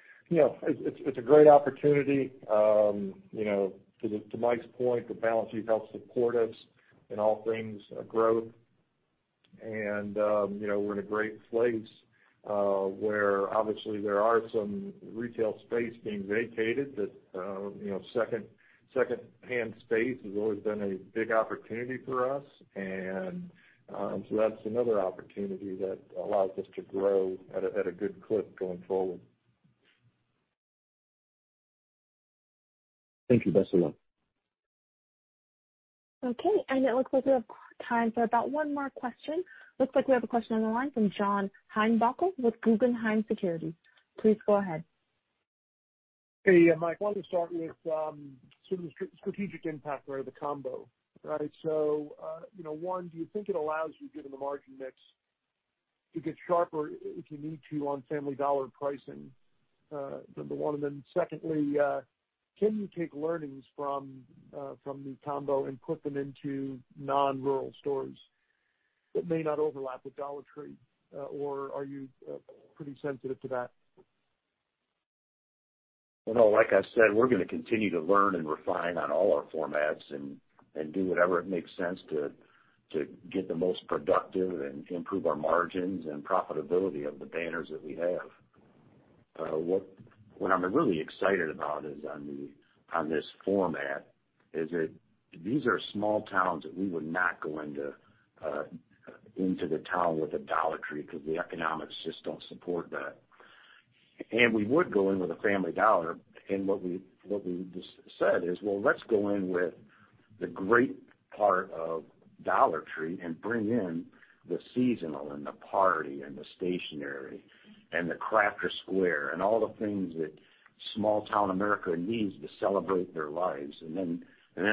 It's a great opportunity. To Mike's point, the balance sheet helps support us in all things growth. We're in a great place where obviously there are some retail space being vacated that second-hand space has always been a big opportunity for us. That's another opportunity that allows us to grow at a good clip going forward. Thank you. That's all. Okay. It looks like we have time for about one more question. Looks like we have a question on the line from John Heinbockel with Guggenheim Securities. Please go ahead. Hey, Mike, why don't we start with some of the strategic impact of the combo? One, do you think it allows you, given the margin mix, to get sharper if you need to on Family Dollar pricing, number one. Secondly, can you take learnings from the combo and put them into non-rural stores that may not overlap with Dollar Tree, or are you pretty sensitive to that? Well, like I said, we're going to continue to learn and refine on all our formats and do whatever it makes sense to get the most productive and improve our margins and profitability of the banners that we have. What I'm really excited about on this format is that these are small towns that we would not go into the town with a Dollar Tree because the economics just don't support that. We would go in with a Family Dollar, and what we just said is, well, let's go in with the great part of Dollar Tree and bring in the seasonal, and the party, and the stationery, and the Crafter's Square, and all the things that small-town America needs to celebrate their lives. Then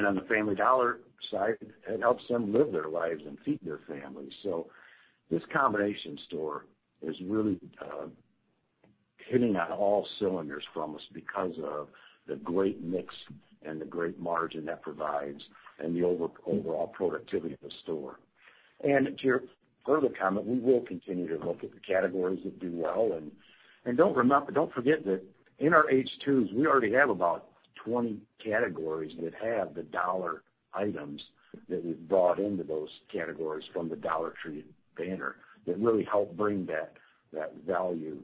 on the Family Dollar side, it helps them live their lives and feed their families. This combination store is really hitting on all cylinders from us because of the great mix and the great margin that provides and the overall productivity of the store. To your further comment, we will continue to look at the categories that do well. Don't forget that in our H2s, we already have about 20 categories that have the dollar items that we've brought into those categories from the Dollar Tree banner that really help bring that value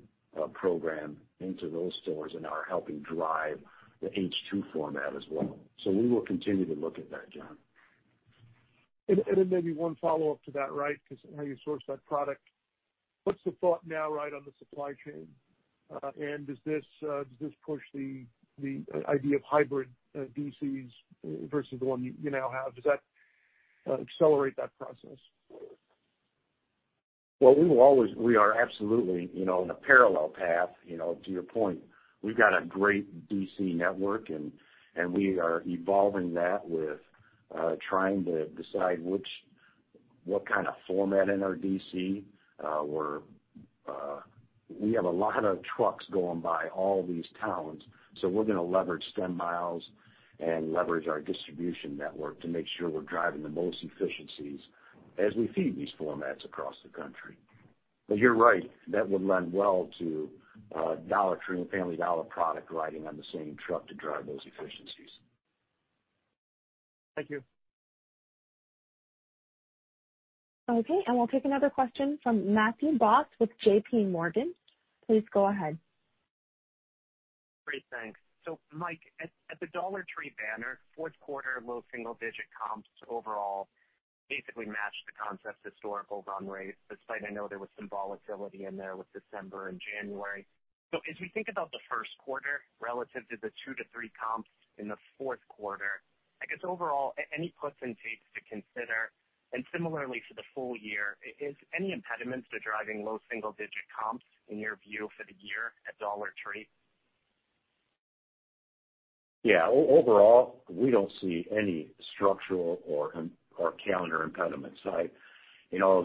program into those stores and are helping drive the H2 format as well. We will continue to look at that, John. Maybe one follow-up to that, because how you source that product, what's the thought now on the supply chain? Does this push the idea of hybrid DCs versus the one you now have? Does that accelerate that process? Well, we are absolutely in a parallel path, to your point. We've got a great DC network, and we are evolving that with trying to decide what kind of format in our DC. We have a lot of trucks going by all these towns, so we're going to leverage stem miles and leverage our distribution network to make sure we're driving the most efficiencies as we feed these formats across the country. You're right, that would lend well to Dollar Tree and Family Dollar product riding on the same truck to drive those efficiencies. Thank you. Okay. We'll take another question from Matthew Boss with JPMorgan. Please go ahead. Great. Thanks. Mike, at the Dollar Tree banner, fourth quarter, low single-digit comps overall basically matched the concept's historical run-rate, despite I know there was some volatility in there with December and January. As we think about the first quarter relative to the 2%-3% comps in the fourth quarter, I guess overall, any puts and takes to consider? Similarly for the full year, any impediments to driving low single-digit comps in your view for the year at Dollar Tree? Yeah. Overall, we don't see any structural or calendar impediments.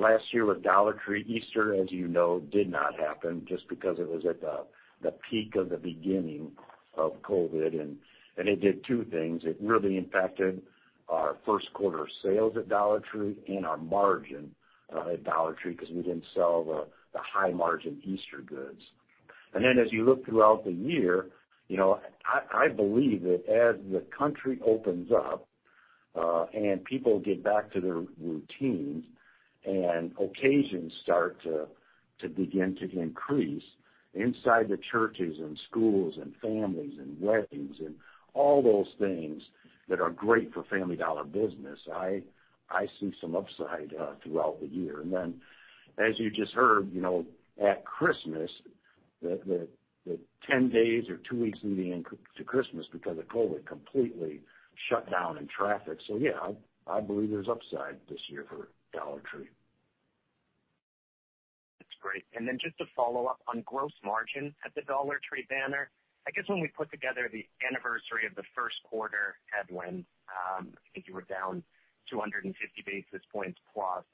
Last year with Dollar Tree, Easter, as you know, did not happen just because it was at the peak of the beginning of COVID. It did two things. It really impacted our first quarter sales at Dollar Tree and our margin at Dollar Tree because we didn't sell the high-margin Easter goods. As you look throughout the year, I believe that as the country opens up and people get back to their routines and occasions start to begin to increase inside the churches and schools and families and weddings and all those things that are great for Family Dollar business, I see some upside throughout the year. As you just heard, at Christmas, the 10 days or two weeks leading into Christmas because of COVID completely shut down in traffic. Yeah, I believe there's upside this year for Dollar Tree. That's great. Just to follow up on gross margin at the Dollar Tree banner, I guess when we put together the anniversary of the first quarter headwind, I think you were down 250 basis points plus,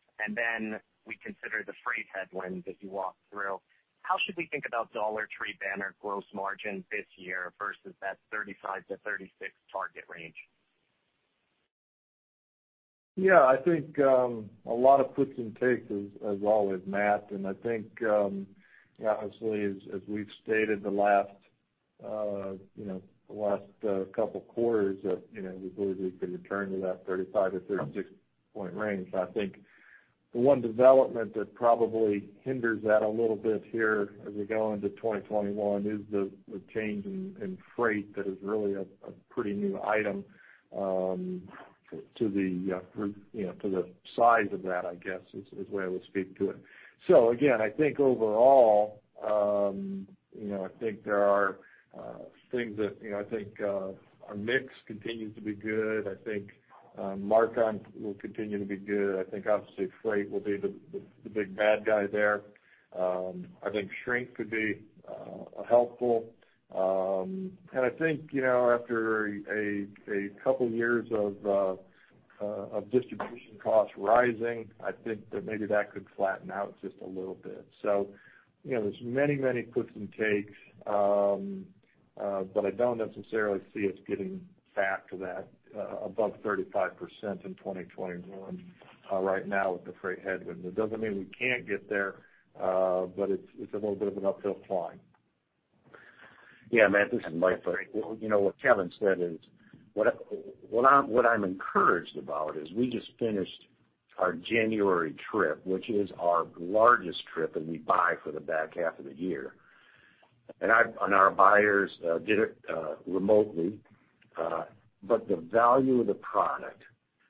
we consider the freight headwinds as you walked through. How should we think about Dollar Tree banner gross margin this year versus that 35%-36% target range? I think a lot of puts and takes as always, Matt. I think honestly, as we've stated the last couple of quarters that we believe we can return to that 35-36 point range. I think the one development that probably hinders that a little bit here as we go into 2021 is the change in freight that is really a pretty new item to the size of that, I guess is the way I would speak to it. Again, I think overall, our mix continues to be good. I think mark-on will continue to be good. I think obviously freight will be the big bad guy there. I think shrink could be helpful. I think after a couple years of distribution costs rising, I think that maybe that could flatten out just a little bit. There's many puts and takes. But I don't necessarily see us getting back to that above 35% in 2021 right now with the freight headwind. It doesn't mean we can't get there, but it's a little bit of an uphill climb. Yeah, Matt, this is Mike. What Kevin said is, what I'm encouraged about is we just finished our January trip, which is our largest trip that we buy for the back half of the year. Our buyers did it remotely. The value of the product,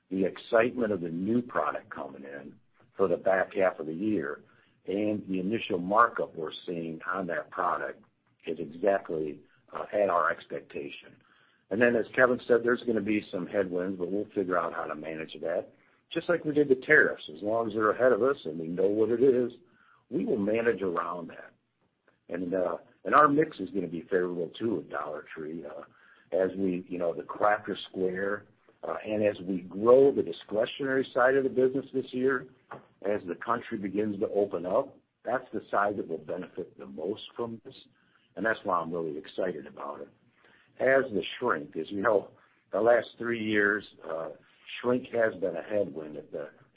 the excitement of the new product coming in for the back half of the year, and the initial markup we're seeing on that product has exactly had our expectation. As Kevin said, there's going to be some headwinds, but we'll figure out how to manage that, just like we did the tariffs. As long as they're ahead of us and we know what it is, we will manage around that. Our mix is going to be favorable too at Dollar Tree. The Crafter's Square, as we grow the discretionary side of the business this year, as the country begins to open up, that's the side that will benefit the most from this, and that's why I'm really excited about it. As we know, the last three years, shrink has been a headwind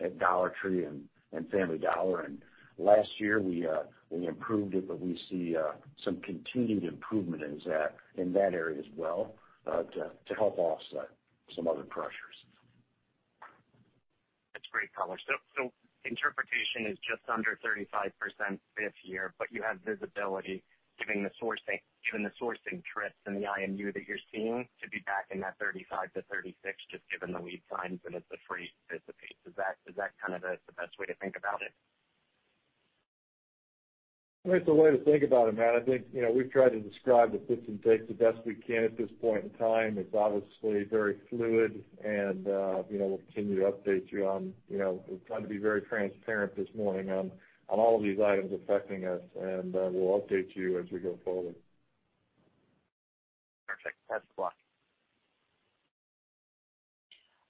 at Dollar Tree and Family Dollar. Last year, we improved it, we see some continued improvement in that area as well to help offset some other pressures. That's great color. Interpretation is just under 35% this year, but you have visibility given the sourcing trips and the IMU that you're seeing to be back in that 35%-36%, just given the lead times and it's a fair anticipation. Is that kind of the best way to think about it? I think it's the way to think about it, Matt. I think, we've tried to describe the puts and takes the best we can at this point in time. It's obviously very fluid and we'll continue to update you on. We're trying to be very transparent this morning on all of these items affecting us, and we'll update you as we go forward. Perfect. Best of luck.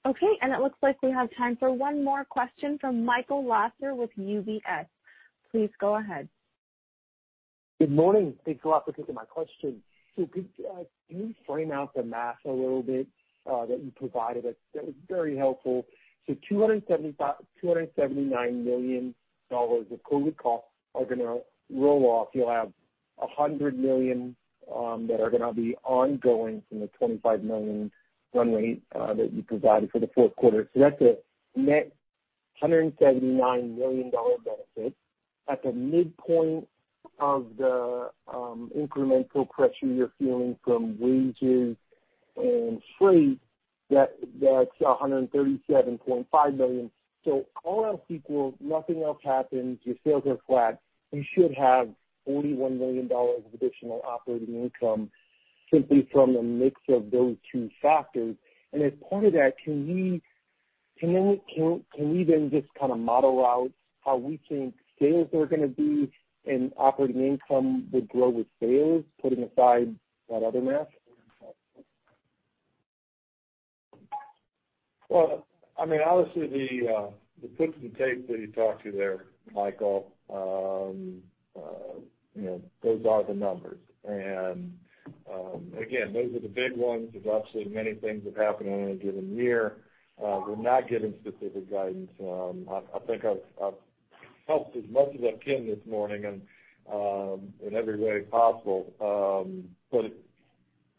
Okay, it looks like we have time for one more question from Michael Lasser with UBS. Please go ahead. Good morning. Thanks a lot for taking my question. Could you frame out the math a little bit that you provided us? That was very helpful. $279 million of COVID costs are going to roll off. You'll have $100 million that are going to be ongoing from the $25 million run-rate that you provided for the fourth quarter. That's a net $179 million benefit. At the midpoint of the incremental pressure you're feeling from wages and freight, that's $137.5 million. All else equal, nothing else happens, your sales are flat, you should have $41 million of additional operating income simply from a mix of those two factors. As part of that, can we just kind of model out how we think sales are going to be and operating income would grow with sales, putting aside that other math? Obviously the puts and takes that he talked to there, Michael, those are the numbers. Again, those are the big ones. There's obviously many things that happen in any given year. We're not giving specific guidance. I think I've helped as much as I can this morning in every way possible.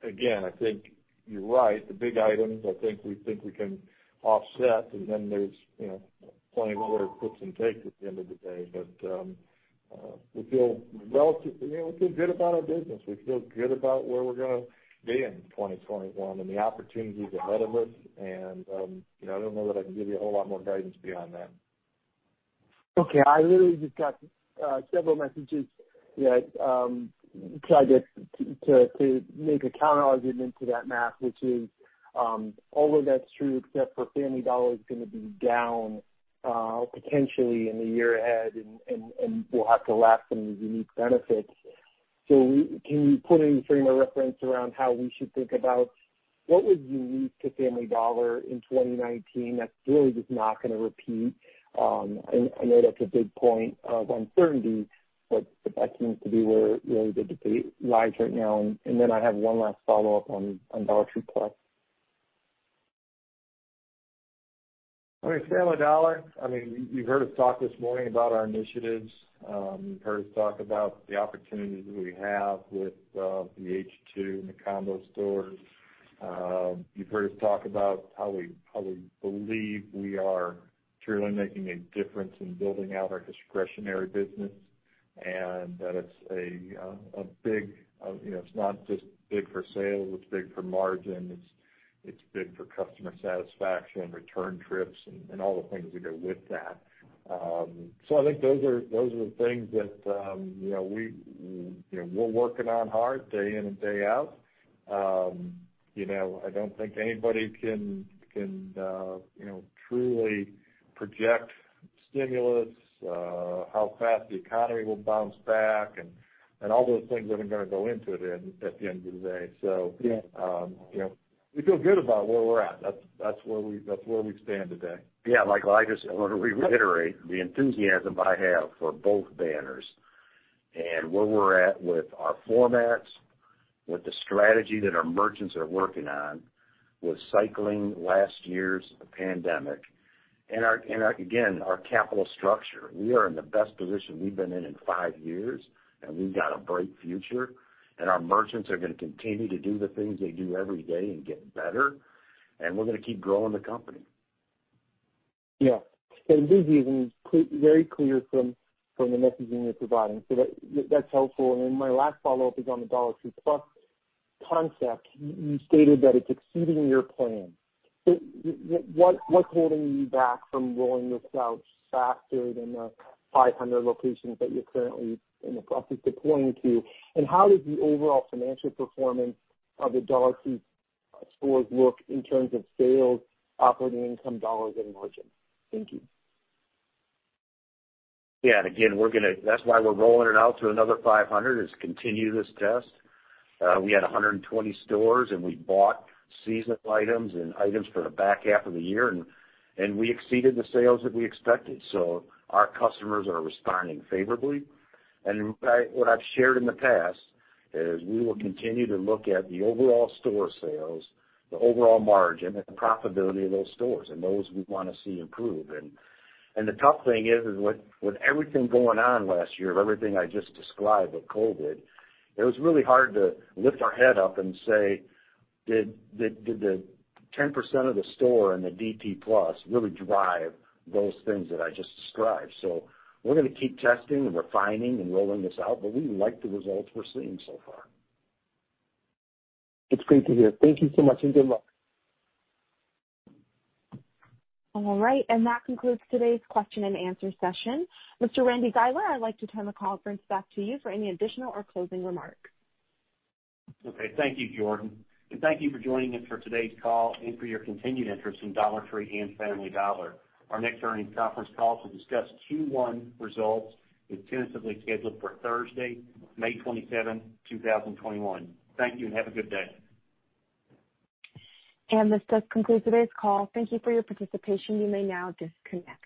Again, I think you're right. The big items, I think we think we can offset, and then there's plenty of other puts and takes at the end of the day. We feel good about our business. We feel good about where we're going to be in 2021 and the opportunities ahead of us, and I don't know that I can give you a whole lot more guidance beyond that. Okay. I literally just got several messages that try to make a counterargument to that math, which is, all of that's true except for Family Dollar's going to be down potentially in the year ahead, and we'll have to lap some of the unique benefits. Can you put any frame of reference around how we should think about what was unique to Family Dollar in 2019 that's really just not going to repeat? I know that's a big point of uncertainty, that seems to be where really the debate lies right now. I have one last follow-up on Dollar Tree Plus!. On Family Dollar, you've heard us talk this morning about our initiatives. You've heard us talk about the opportunities that we have with the H2 and the combo stores. You've heard us talk about how we believe we are truly making a difference in building out our discretionary business, and that it's not just big for sales, it's big for margin. It's big for customer satisfaction, return trips, and all the things that go with that. I think those are the things that we're working on hard day in and day out. I don't think anybody can truly project stimulus, how fast the economy will bounce back, and all those things that are going to go into it at the end of the day. Yeah We feel good about where we're at. That's where we stand today. Yeah, Michael, I just want to reiterate the enthusiasm I have for both banners. Where we're at with our formats, with the strategy that our merchants are working on, with cycling last year's pandemic, again, our capital structure. We are in the best position we've been in in five years. We've got a bright future. Our merchants are going to continue to do the things they do every day and get better. We're going to keep growing the company. Yeah. It is even very clear from the messaging you're providing. That's helpful. My last follow-up is on the Dollar Tree Plus! concept. You stated that it's exceeding your plan. What's holding you back from rolling this out faster than the 500 locations that you're currently in the process of deploying to? How does the overall financial performance of the Dollar Tree stores look in terms of sales, operating income, dollars, and margin? Thank you. Yeah. Again, that's why we're rolling it out to another 500, is to continue this test. We had 120 stores, and we bought seasonal items and items for the back half of the year, and we exceeded the sales that we expected. Our customers are responding favorably. In fact, what I've shared in the past is we will continue to look at the overall store sales, the overall margin, and the profitability of those stores and those we want to see improve. The tough thing is with everything going on last year, with everything I just described with COVID, it was really hard to lift our head up and say, did the 10% of the store and the DT Plus! really drive those things that I just described? We're going to keep testing and refining and rolling this out, but we like the results we're seeing so far. It's great to hear. Thank you so much. Good luck. All right. That concludes today's question-and-answer session. Mr. Randy Guiler, I'd like to turn the conference back to you for any additional or closing remarks. Okay. Thank you, Jordan. Thank you for joining us for today's call and for your continued interest in Dollar Tree and Family Dollar. Our next earnings conference call to discuss Q1 results is tentatively scheduled for Thursday, May 27, 2021. Thank you, have a good day. This does conclude today's call. Thank you for your participation. You may now disconnect.